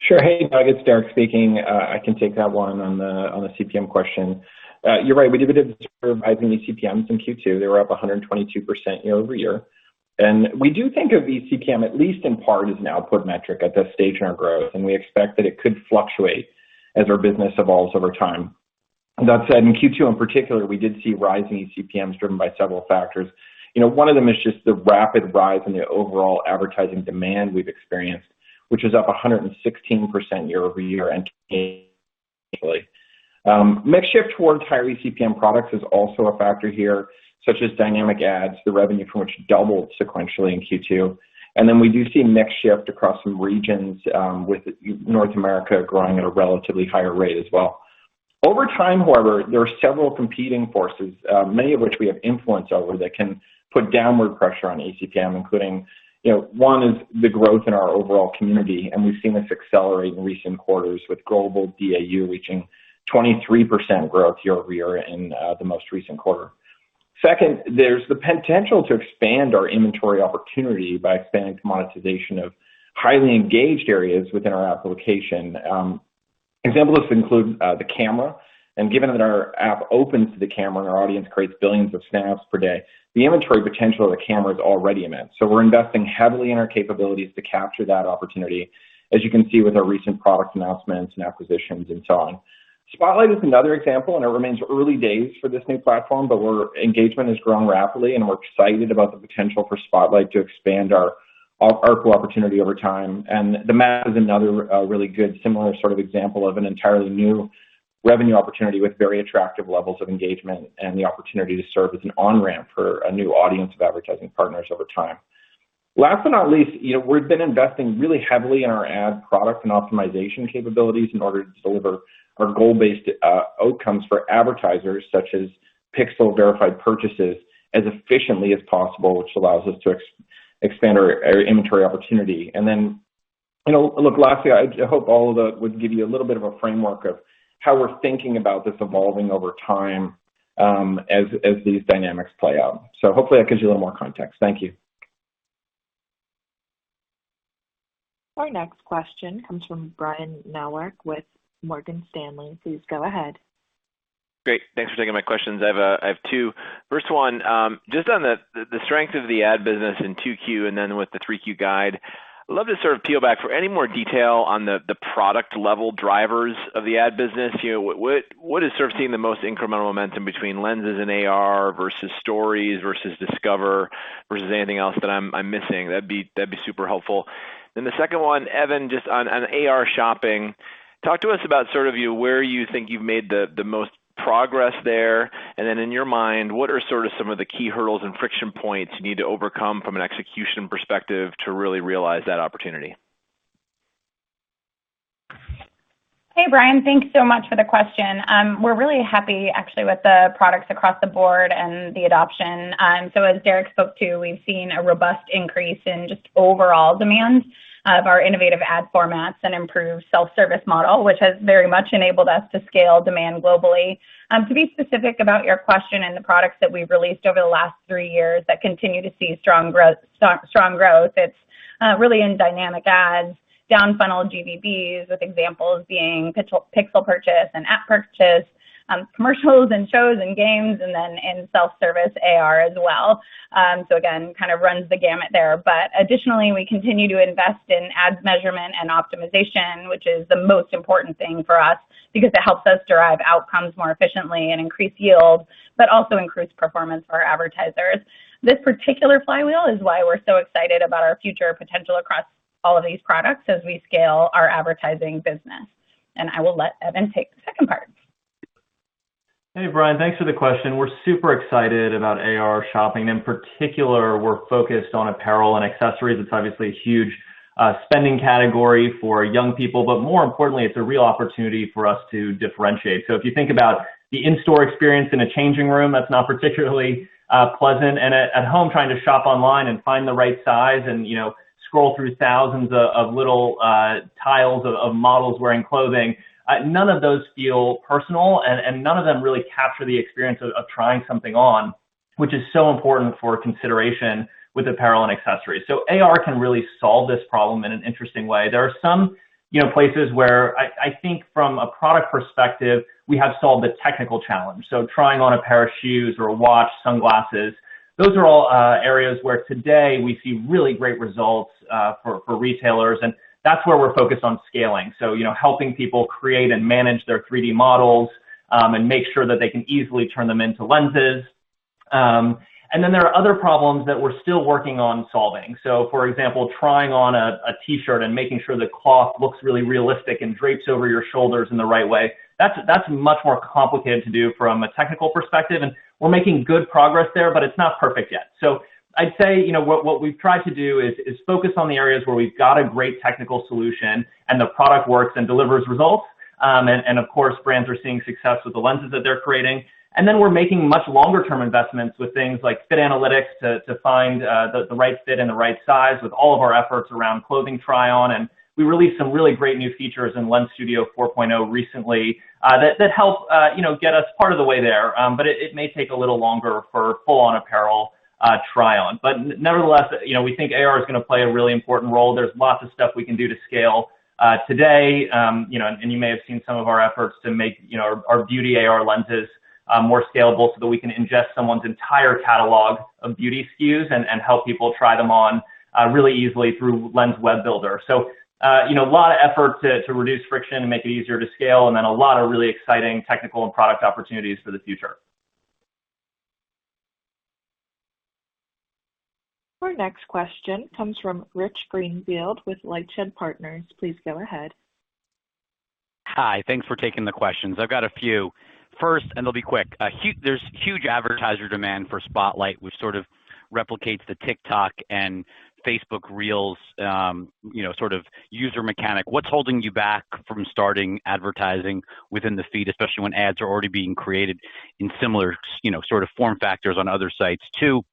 Sure. Hey, Doug, it's Derek speaking. I can take that one on the CPM question. You're right, we did see rising eCPMs in Q2. They were up 122% year-over-year. We do think of eCPM, at least in part, as an output metric at this stage in our growth, and we expect that it could fluctuate as our business evolves over time. That said, in Q2 in particular, we did see rising eCPMs driven by several factors. One of them is just the rapid rise in the overall advertising demand we've experienced, which is up 116% year-over-year. Mix shift towards high eCPM products is also a factor here, such Dynamic Ads, the revenue from which doubled sequentially in Q2. We do see mix shift across some regions, with North America growing at a relatively higher rate as well. Over time, however, there are several competing forces, many of which we have influence over, that can put downward pressure on eCPM, including, one is the growth in our overall community, and we've seen this accelerate in recent quarters with global DAU reaching 23% growth year-over-year in the most recent quarter. Second, there's the potential to expand our inventory opportunity by expanding monetization of highly engaged areas within our application. Examples include the camera. Given that our app opens to the camera and our audience creates billions of snaps per day, the inventory potential of the camera is already immense. We're investing heavily in our capabilities to capture that opportunity, as you can see with our recent product announcements and acquisitions and so on. Spotlight is another example, and it remains early days for this new platform, but engagement has grown rapidly, and we're excited about the potential for Spotlight to expand our opportunity over time. The Map is another really good similar sort of example of an entirely new revenue opportunity with very attractive levels of engagement and the opportunity to serve as an on-ramp for a new audience of advertising partners over time. Last but not least, we've been investing really heavily in our ad product and optimization capabilities in order to deliver our goal-based outcomes for advertisers, such as pixel-verified purchases, as efficiently as possible, which allows us to expand our inventory opportunity. Look, lastly, I hope all of that would give you a little bit of a framework of how we're thinking about this evolving over time as these dynamics play out. Hopefully, that gives you a little more context. Thank you. Our next question comes from Brian Nowak with Morgan Stanley. Please go ahead. Great. Thanks for taking my questions. I have two. First one, just on the strength of the ad business in 2Q and then with the 3Q guide, love to sort of peel back for any more detail on the product-level drivers of the ad business. What is sort of seeing the most incremental momentum between Lenses and AR versus Stories versus Discover versus anything else that I'm missing? That'd be super helpful. The second one, Evan, just on AR shopping, talk to us about sort of where you think you've made the most progress there. In your mind, what are sort of some of the key hurdles and friction points you need to overcome from an execution perspective to really realize that opportunity? Hey, Brian. Thanks so much for the question. We're really happy, actually, with the products across the board and the adoption. As Derek spoke to, we've seen a robust increase in just overall demands of our innovative ad formats and improved self-service model, which has very much enabled us to scale demand globally. To be specific about your question and the products that we've released over the last three years that continue to see strong growth, it's really Dynamic Ads, down-funnel GBBs, with examples being pixel purchase and app purchase, commercials and shows and games, and then in self-service AR as well. Again, kind of runs the gamut there. Additionally, we continue to invest in ads measurement and optimization, which is the most important thing for us because it helps us derive outcomes more efficiently and increase yield, but also increase performance for our advertisers. This particular flywheel is why we're so excited about our future potential across all of these products as we scale our advertising business. I will let Evan take the second part. Hey, Brian. Thanks for the question. We're super excited about AR shopping. In particular, we're focused on apparel and accessories. It's obviously a huge spending category for young people, more importantly, it's a real opportunity for us to differentiate. If you think about the in-store experience in a changing room, that's not particularly pleasant, and at home, trying to shop online and find the right size and scroll through thousands of little tiles of models wearing clothing, none of those feel personal, and none of them really capture the experience of trying something on, which is so important for consideration with apparel and accessories. AR can really solve this problem in an interesting way. There are some places where I think from a product perspective, we have solved the technical challenge. Trying on a pair of shoes or a watch, sunglasses, those are all areas where today we see really great results for retailers, and that's where we're focused on scaling. Helping people create and manage their 3D models, and make sure that they can easily turn them into lenses. There are other problems that we're still working on solving. For example, trying on a T-shirt and making sure the cloth looks really realistic and drapes over your shoulders in the right way. That's much more complicated to do from a technical perspective, and we're making good progress there, but it's not perfect yet. I'd say, what we've tried to do is focus on the areas where we've got a great technical solution and the product works and delivers results. Of course, brands are seeing success with the lenses that they're creating. We're making much longer-term investments with things like Fit Analytics to find the right fit and the right size with all of our efforts around clothing try-on. We released some really great new features in Lens Studio 4.0 recently that help get us part of the way there. It may take a little longer for full-on apparel try-on. Nevertheless, we think AR is going to play a really important role. There's lots of stuff we can do to scale today. You may have seen some of our efforts to make our beauty AR Lenses more scalable so that we can ingest someone's entire catalog of beauty SKUs and help people try them on really easily through Lens Web Builder. A lot of effort to reduce friction and make it easier to scale, and then a lot of really exciting technical and product opportunities for the future. Our next question comes from Rich Greenfield with LightShed Partners. Please go ahead. Hi. Thanks for taking the questions. I've got a few. First, they'll be quick. There's huge advertiser demand for Spotlight, which sort of replicates the TikTok and Instagram Reels sort of user mechanic. What's holding you back from starting advertising within the feed, especially when ads are already being created in similar sort of form factors on other sites? Two,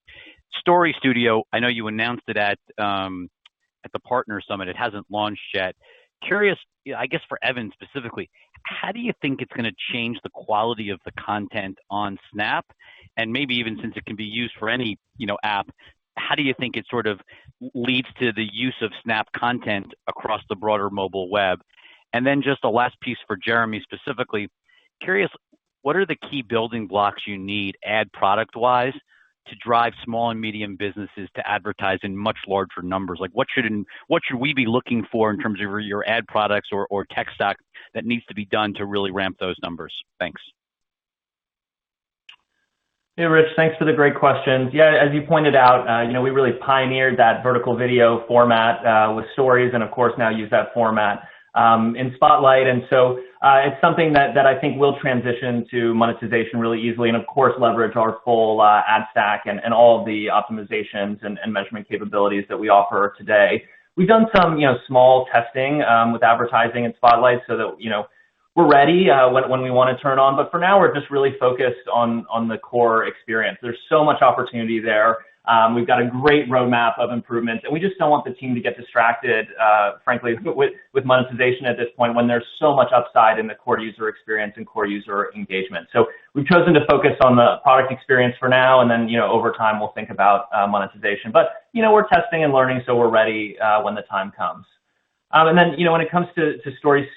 Story Studio, I know you announced it at the Partner Summit. It hasn't launched yet. Curious, I guess, for Evan specifically, how do you think it's going to change the quality of the content on Snap? Maybe even since it can be used for any app, how do you think it sort of leads to the use of Snap content across the broader mobile web? Then just a last piece for Jeremi, specifically. Curious, what are the key building blocks you need ad product-wise to drive small and medium businesses to advertise in much larger numbers? Like what should we be looking for in terms of your ad products or tech stack that needs to be done to really ramp those numbers? Thanks. Hey, Rich. Thanks for the great questions. Yeah, as you pointed out, we really pioneered that vertical video format, with Stories and of course, now use that format in Spotlight. It's something that I think will transition to monetization really easily and, of course, leverage our full ad stack and all of the optimizations and measurement capabilities that we offer today. We've done some small testing with advertising in Spotlight so that we're ready when we want to turn on. For now, we're just really focused on the core experience. There's so much opportunity there. We've got a great roadmap of improvements, and we just don't want the team to get distracted, frankly, with monetization at this point when there's so much upside in the core user experience and core user engagement. We've chosen to focus on the product experience for now, and then, over time, we'll think about monetization. We're testing and learning, so we're ready when the time comes. When it comes to Story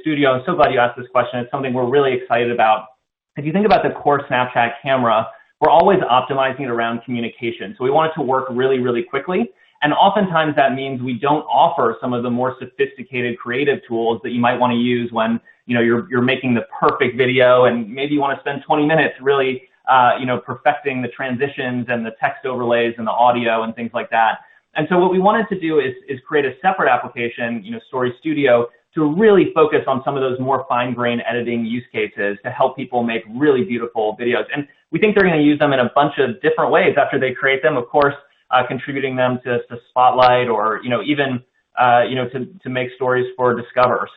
Studio, I'm so glad you asked this question. It's something we're really excited about. If you think about the core Snapchat camera, we're always optimizing around communication. We want it to work really, really quickly. Oftentimes, that means we don't offer some of the more sophisticated creative tools that you might want to use when you're making the perfect video and maybe you want to spend 20 minutes really perfecting the transitions and the text overlays and the audio and things like that. What we wanted to do is create a separate application, Story Studio, to really focus on some of those more fine-grain editing use cases to help people make really beautiful videos. We think they're going to use them in a bunch of different ways after they create them, of course, contributing them to Spotlight or even to make stories for Discover.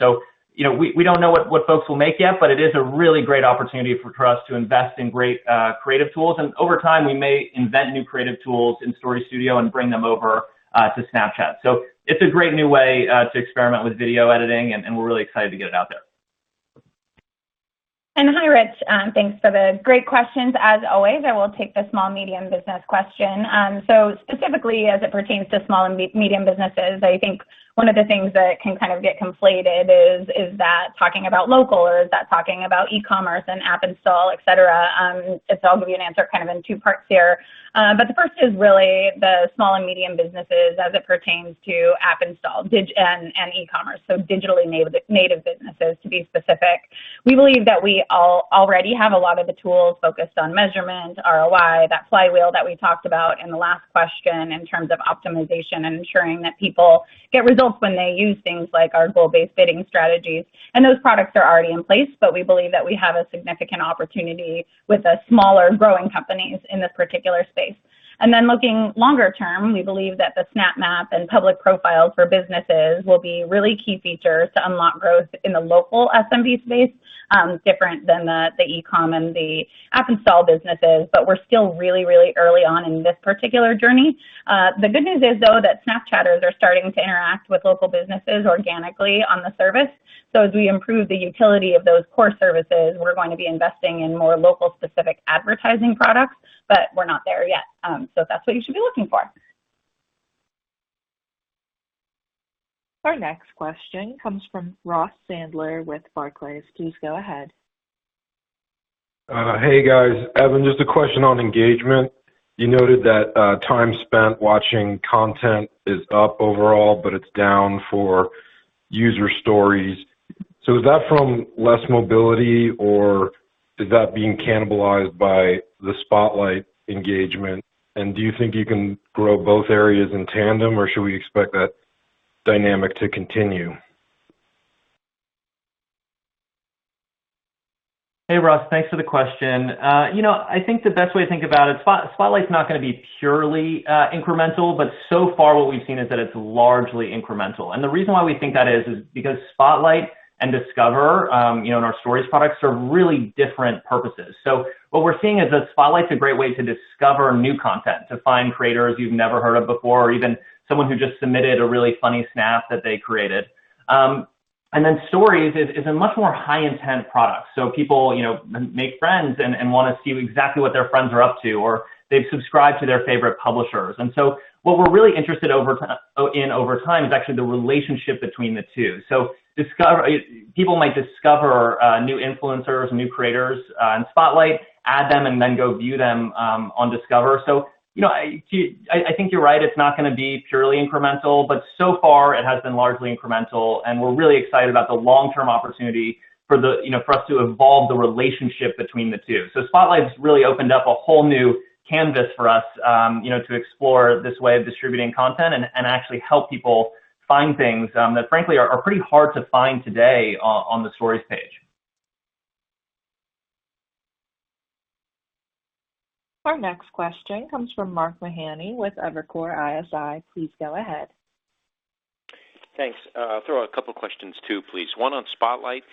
We don't know what folks will make yet, but it is a really great opportunity for us to invest in great creative tools. Over time, we may invent new creative tools in Story Studio and bring them over to Snapchat. It's a great new way to experiment with video editing, and we're really excited to get it out there. Hi, Rich. Thanks for the great questions as always. I will take the small-medium business question. Specifically as it pertains to small and medium businesses, I think one of the things that can kind of get conflated is that talking about local or is that talking about e-commerce and app install, et cetera? I'll give you an answer kind of in two parts here. The first is really the small and medium businesses as it pertains to app install and e-commerce, so digitally native businesses, to be specific. We believe that we already have a lot of the tools focused on measurement, ROI, that flywheel that we talked about in the last question in terms of optimization and ensuring that people get results when they use things like our Goal-Based Bidding strategies. Those products are already in place, but we believe that we have a significant opportunity with the smaller growing companies in this particular space. Looking longer term, we believe that the Snap Map and Public Profiles for businesses will be really key features to unlock growth in the local SMB space, different than the e-com and the app install businesses, but we're still really early on in this particular journey. The good news is, though, that Snapchatters are starting to interact with local businesses organically on the service. As we improve the utility of those core services, we're going to be investing in more local specific advertising products, but we're not there yet. That's what you should be looking for. Our next question comes from Ross Sandler with Barclays. Please go ahead. Hey, guys. Evan, just a question on engagement. You noted that time spent watching content is up overall, but it's down for user stories. Is that from less mobility, or is that being cannibalized by the Spotlight engagement? Do you think you can grow both areas in tandem, or should we expect that dynamic to continue? Hey, Ross. Thanks for the question. I think the best way to think about it, Spotlight's not going to be purely incremental, but so far what we've seen is that it's largely incremental. The reason why we think that is because Spotlight and Discover, and our Stories products serve really different purposes. What we're seeing is that Spotlight's a great way to discover new content, to find creators you've never heard of before, or even someone who just submitted a really funny Snap that they created. Then Stories is a much more high-intent product. People make friends and want to see exactly what their friends are up to, or they've subscribed to their favorite publishers. What we're really interested in over time is actually the relationship between the two. People might discover new influencers, new creators in Spotlight, add them, and then go view them on Discover. I think you're right, it's not going to be purely incremental, but so far it has been largely incremental, and we're really excited about the long-term opportunity for us to evolve the relationship between the two. Spotlight's really opened up a whole new canvas for us to explore this way of distributing content and actually help people find things that frankly are pretty hard to find today on the Stories page. Our next question comes from Mark Mahaney with Evercore ISI. Please go ahead. Thanks. I'll throw out a couple questions too, please. One on Spotlight.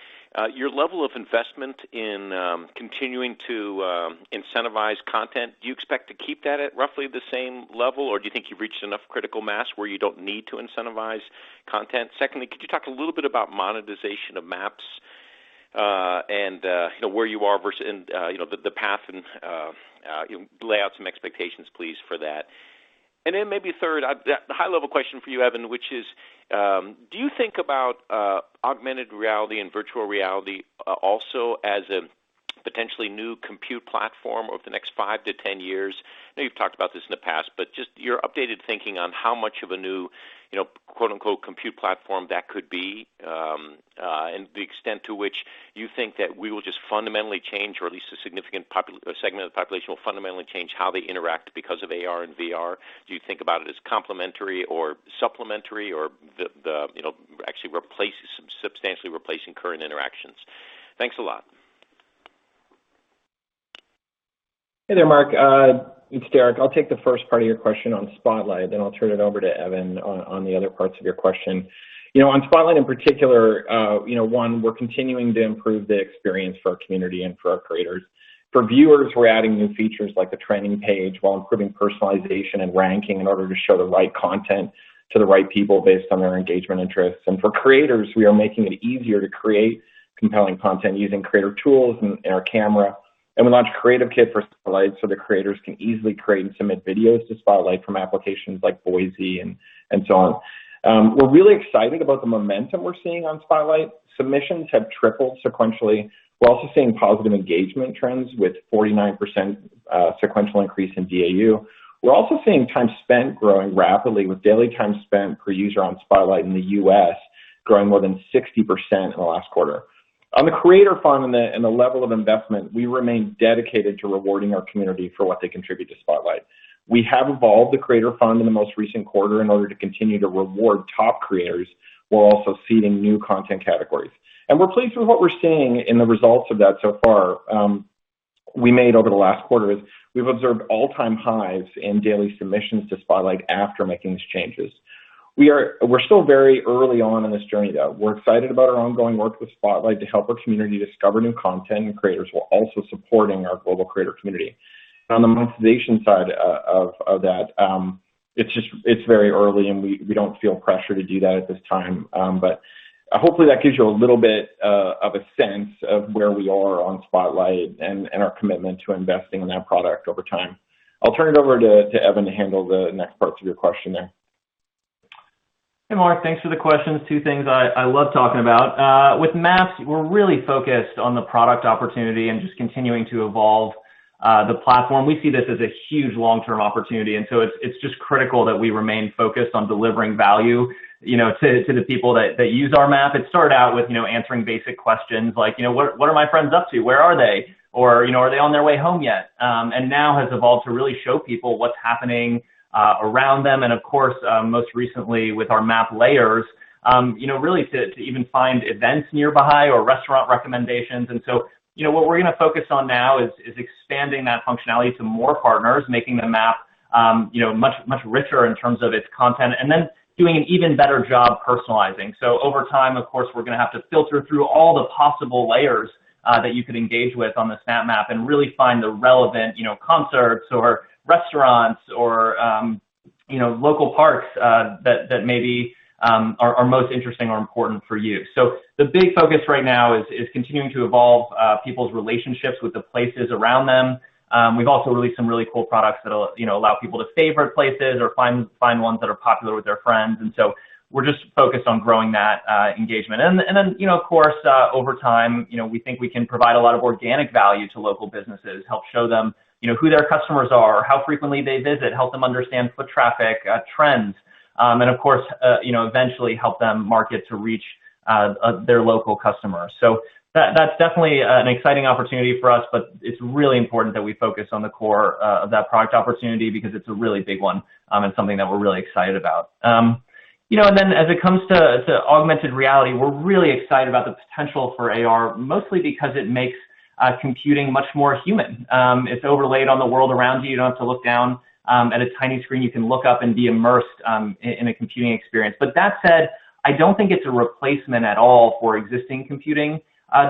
Your level of investment in continuing to incentivize content, do you expect to keep that at roughly the same level, or do you think you've reached enough critical mass where you don't need to incentivize content? Secondly, could you talk a little bit about monetization of Maps, and where you are versus the path and lay out some expectations, please, for that. Then maybe third, a high-level question for you, Evan, which is, do you think about augmented reality and virtual reality also as a potentially new compute platform over the next 5-10 years? I know you've talked about this in the past, just your updated thinking on how much of a new, quote-unquote, compute platform that could be, and the extent to which you think that we will just fundamentally change, or at least a significant segment of the population will fundamentally change how they interact because of AR and VR. Do you think about it as complementary or supplementary or actually substantially replacing current interactions? Thanks a lot. Hey there, Mark. It's Derek. I'll take the first part of your question on Spotlight, then I'll turn it over to Evan on the other parts of your question. On Spotlight in particular, one, we're continuing to improve the experience for our community and for our creators. For viewers, we're adding new features like the trending page while improving personalization and ranking in order to show the right content to the right people based on their engagement interests. For creators, we are making it easier to create compelling content using creator tools and our camera. We launched Creative Kit for Spotlight so that creators can easily create and submit videos to Spotlight from applications like Voisey and so on. We're really excited about the momentum we're seeing on Spotlight. Submissions have tripled sequentially. We're also seeing positive engagement trends with 49% sequential increase in DAU. We're also seeing time spent growing rapidly with daily time spent per user on Spotlight in the U.S. growing more than 60% in the last quarter. On the Creator Fund and the level of investment, we remain dedicated to rewarding our community for what they contribute to Spotlight. We have evolved the Creator Fund in the most recent quarter in order to continue to reward top creators while also seeding new content categories. We're pleased with what we're seeing in the results of that so far. Over the last quarter, we've observed all-time highs in daily submissions to Spotlight after making these changes. We're still very early on in this journey, though. We're excited about our ongoing work with Spotlight to help our community discover new content and creators while also supporting our global creator community. On the monetization side of that, it's very early, and we don't feel pressure to do that at this time. Hopefully that gives you a little bit of a sense of where we are on Spotlight and our commitment to investing in that product over time. I'll turn it over to Evan to handle the next parts of your question there. Hey, Mark. Thanks for the questions. Two things I love talking about. With Maps, we're really focused on the product opportunity and just continuing to evolve the platform. We see this as a huge long-term opportunity. It's just critical that we remain focused on delivering value to the people that use our Map. It started out with answering basic questions like, what are my friends up to, where are they? Are they on their way home yet? Now has evolved to really show people what's happening around them. Of course, most recently with our Map layers, really to even find events nearby or restaurant recommendations. What we're going to focus on now is expanding that functionality to more partners, making the Map much richer in terms of its content, and then doing an even better job personalizing. Over time, of course, we're going to have to filter through all the possible layers that you could engage with on the Snap Map and really find the relevant concerts or restaurants or local parks that maybe are most interesting or important for you. The big focus right now is continuing to evolve people's relationships with the places around them. We've also released some really cool products that allow people to favorite places or find ones that are popular with their friends. We're just focused on growing that engagement. Of course, over time, we think we can provide a lot of organic value to local businesses, help show them who their customers are, how frequently they visit, help them understand foot traffic trends, and of course, eventually help them market to reach their local customers. That's definitely an exciting opportunity for us, but it's really important that we focus on the core of that product opportunity because it's a really big one and something that we're really excited about. As it comes to augmented reality, we're really excited about the potential for AR, mostly because it makes computing much more human. It's overlaid on the world around you. You don't have to look down at a tiny screen. You can look up and be immersed in a computing experience. That said, I don't think it's a replacement at all for existing computing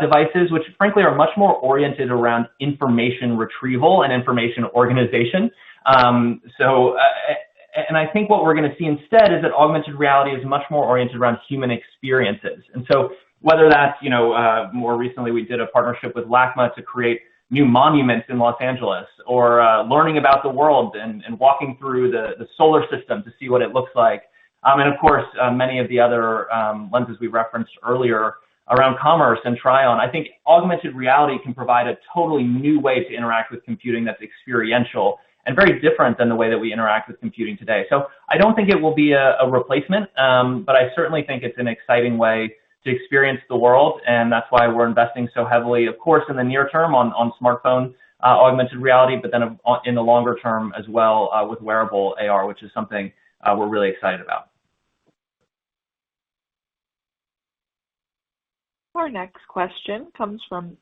devices, which frankly are much more oriented around information retrieval and information organization. I think what we're going to see instead is that augmented reality is much more oriented around human experiences. Whether that's more recently, we did a partnership with LACMA to create new monuments in Los Angeles, or learning about the world and walking through the solar system to see what it looks like. Of course, many of the other Lenses we referenced earlier around commerce and try-on. I think augmented reality can provide a totally new way to interact with computing that's experiential and very different than the way that we interact with computing today. I don't think it will be a replacement. I certainly think it's an exciting way to experience the world, and that's why we're investing so heavily, of course, in the near term on smartphone augmented reality, then in the longer term as well with wearable AR, which is something we're really excited about. Our next question comes from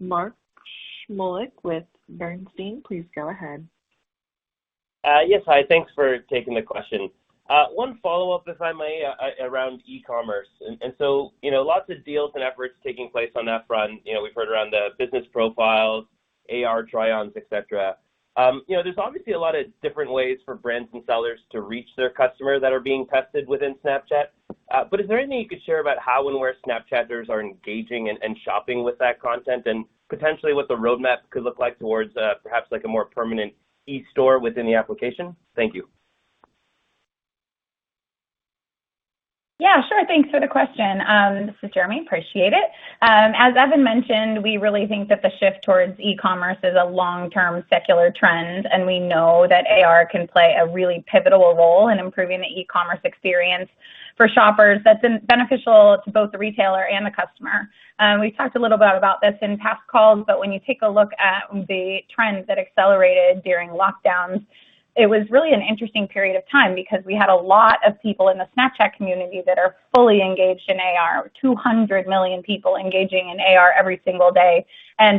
Mark Shmulik with Bernstein. Please go ahead. Yes. Hi, thanks for taking the question. One follow-up, if I may, around e-commerce. Lots of deals and efforts taking place on that front. We've heard around the Public Profiles, AR try-ons, et cetera. There's obviously a lot of different ways for brands and sellers to reach their customers that are being tested within Snapchat. Is there anything you could share about how and where Snapchatters are engaging and shopping with that content? Potentially what the roadmap could look like towards perhaps like a more permanent e-store within the application? Thank you. Sure. Thanks for the question. This is Jeremi, appreciate it. As Evan mentioned, we really think that the shift towards e-commerce is a long-term secular trend, and we know that AR can play a really pivotal role in improving the e-commerce experience for shoppers that's beneficial to both the retailer and the customer. We've talked a little bit about this in past calls, when you take a look at the trends that accelerated during lockdowns, it was really an interesting period of time because we had a lot of people in the Snapchat community that are fully engaged in AR, 200 million people engaging in AR every single day.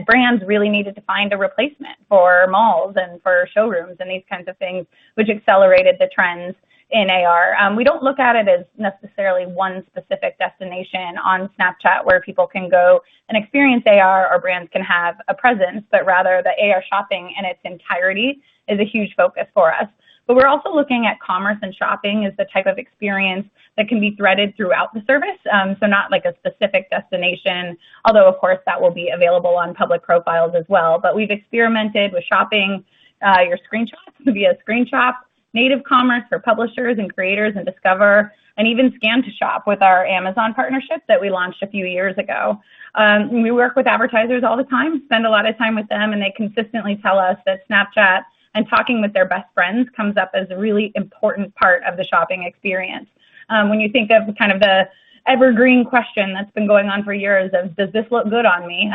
Brands really needed to find a replacement for malls and for showrooms and these kinds of things, which accelerated the trends in AR. We don't look at it as necessarily one specific destination on Snapchat where people can go and experience AR or brands can have a presence, but rather the AR shopping in its entirety is a huge focus for us. We're also looking at commerce and shopping as the type of experience that can be threaded throughout the service. Not like a specific destination, although of course, that will be available on Public Profiles as well. We've experimented with shopping your screenshots via screenshot, native commerce for publishers and creators in Discover, and even scan to shop with our Amazon partnership that we launched a few years ago. We work with advertisers all the time, spend a lot of time with them, and they consistently tell us that Snapchat and talking with their best friends comes up as a really important part of the shopping experience. When you think of kind of the evergreen question that's been going on for years of, Does this look good on me?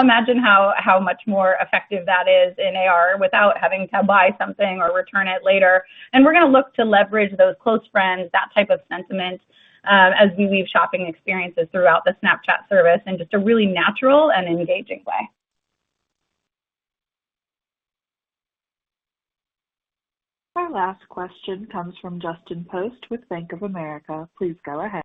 Imagine how much more effective that is in AR without having to buy something or return it later. We're going to look to leverage those close friends, that type of sentiment, as we weave shopping experiences throughout the Snapchat service in just a really natural and engaging way. Our last question comes from Justin Post with Bank of America. Please go ahead.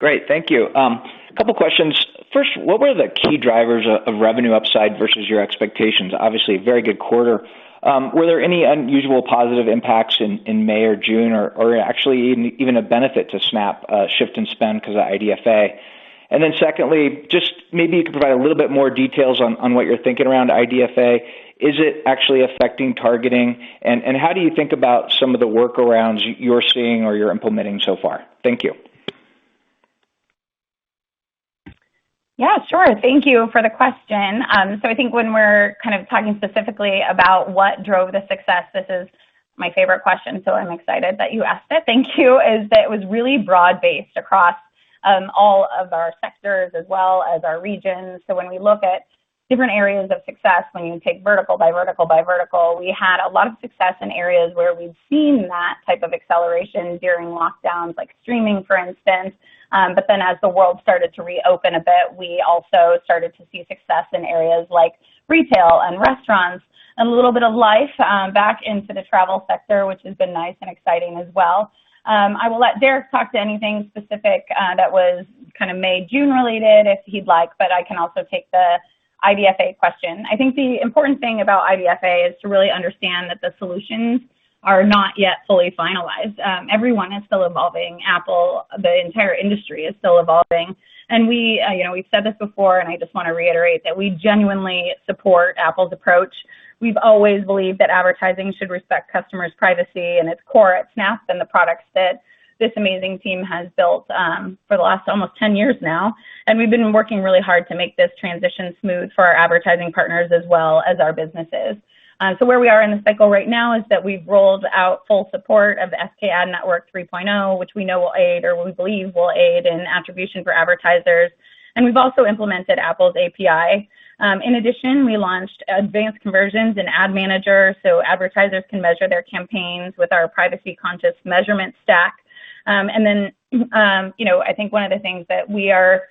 Great. Thank you. Two questions. First, what were the key drivers of revenue upside versus your expectations? Obviously, a very good quarter. Were there any unusual positive impacts in May or June or actually even a benefit to Snap shift in spend because of IDFA? Secondly, just maybe you could provide a little bit more details on what you're thinking around IDFA. Is it actually affecting targeting? How do you think about some of the workarounds you're seeing or you're implementing so far? Thank you. Yeah, sure. Thank you for the question. I think when we're kind of talking specifically about what drove the success, this is my favorite question, so I'm excited that you asked it, thank you, is that it was really broad-based across all of our sectors as well as our regions. When we look at different areas of success, when you take vertical by vertical by vertical, we had a lot of success in areas where we've seen that type of acceleration during lockdowns, like streaming, for instance. As the world started to reopen a bit, we also started to see success in areas like retail and restaurants, and a little bit of life back into the travel sector, which has been nice and exciting as well. I will let Derek talk to anything specific that was kind of May/June related if he'd like, but I can also take the IDFA question. I think the important thing about IDFA is to really understand that the solutions are not yet fully finalized. Everyone is still evolving. Apple, the entire industry is still evolving. We've said this before, and I just want to reiterate that we genuinely support Apple's approach. We've always believed that advertising should respect customers' privacy and its core at Snap, and the products that this amazing team has built for the last almost 10 years now, and we've been working really hard to make this transition smooth for our advertising partners as well as our businesses. Where we are in the cycle right now is that we've rolled out full support of SKAdNetwork 3.0, which we know will aid, or we believe will aid in attribution for advertisers. We've also implemented Apple's API. In addition, we launched advanced conversions in Ads Manager so advertisers can measure their campaigns with our privacy-conscious measurement stack. I think one of the things that we're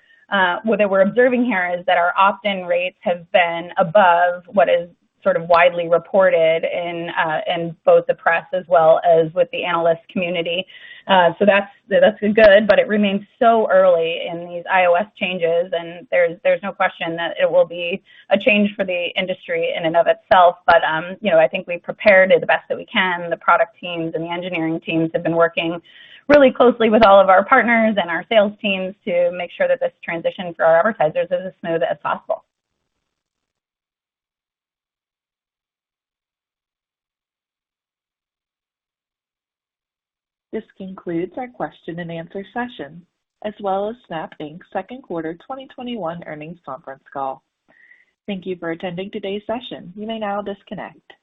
observing here is that our opt-in rates have been above what is sort of widely reported in both the press as well as with the analyst community. That's been good, but it remains so early in these iOS changes, and there's no question that it will be a change for the industry in and of itself. I think we've prepared it the best that we can. The product teams and the engineering teams have been working really closely with all of our partners and our sales teams to make sure that this transition for our advertisers is as smooth as possible. This concludes our Q&A session, as well as Snap Inc.'s second quarter 2021 earnings conference call. Thank you for attending today's session. You may now disconnect.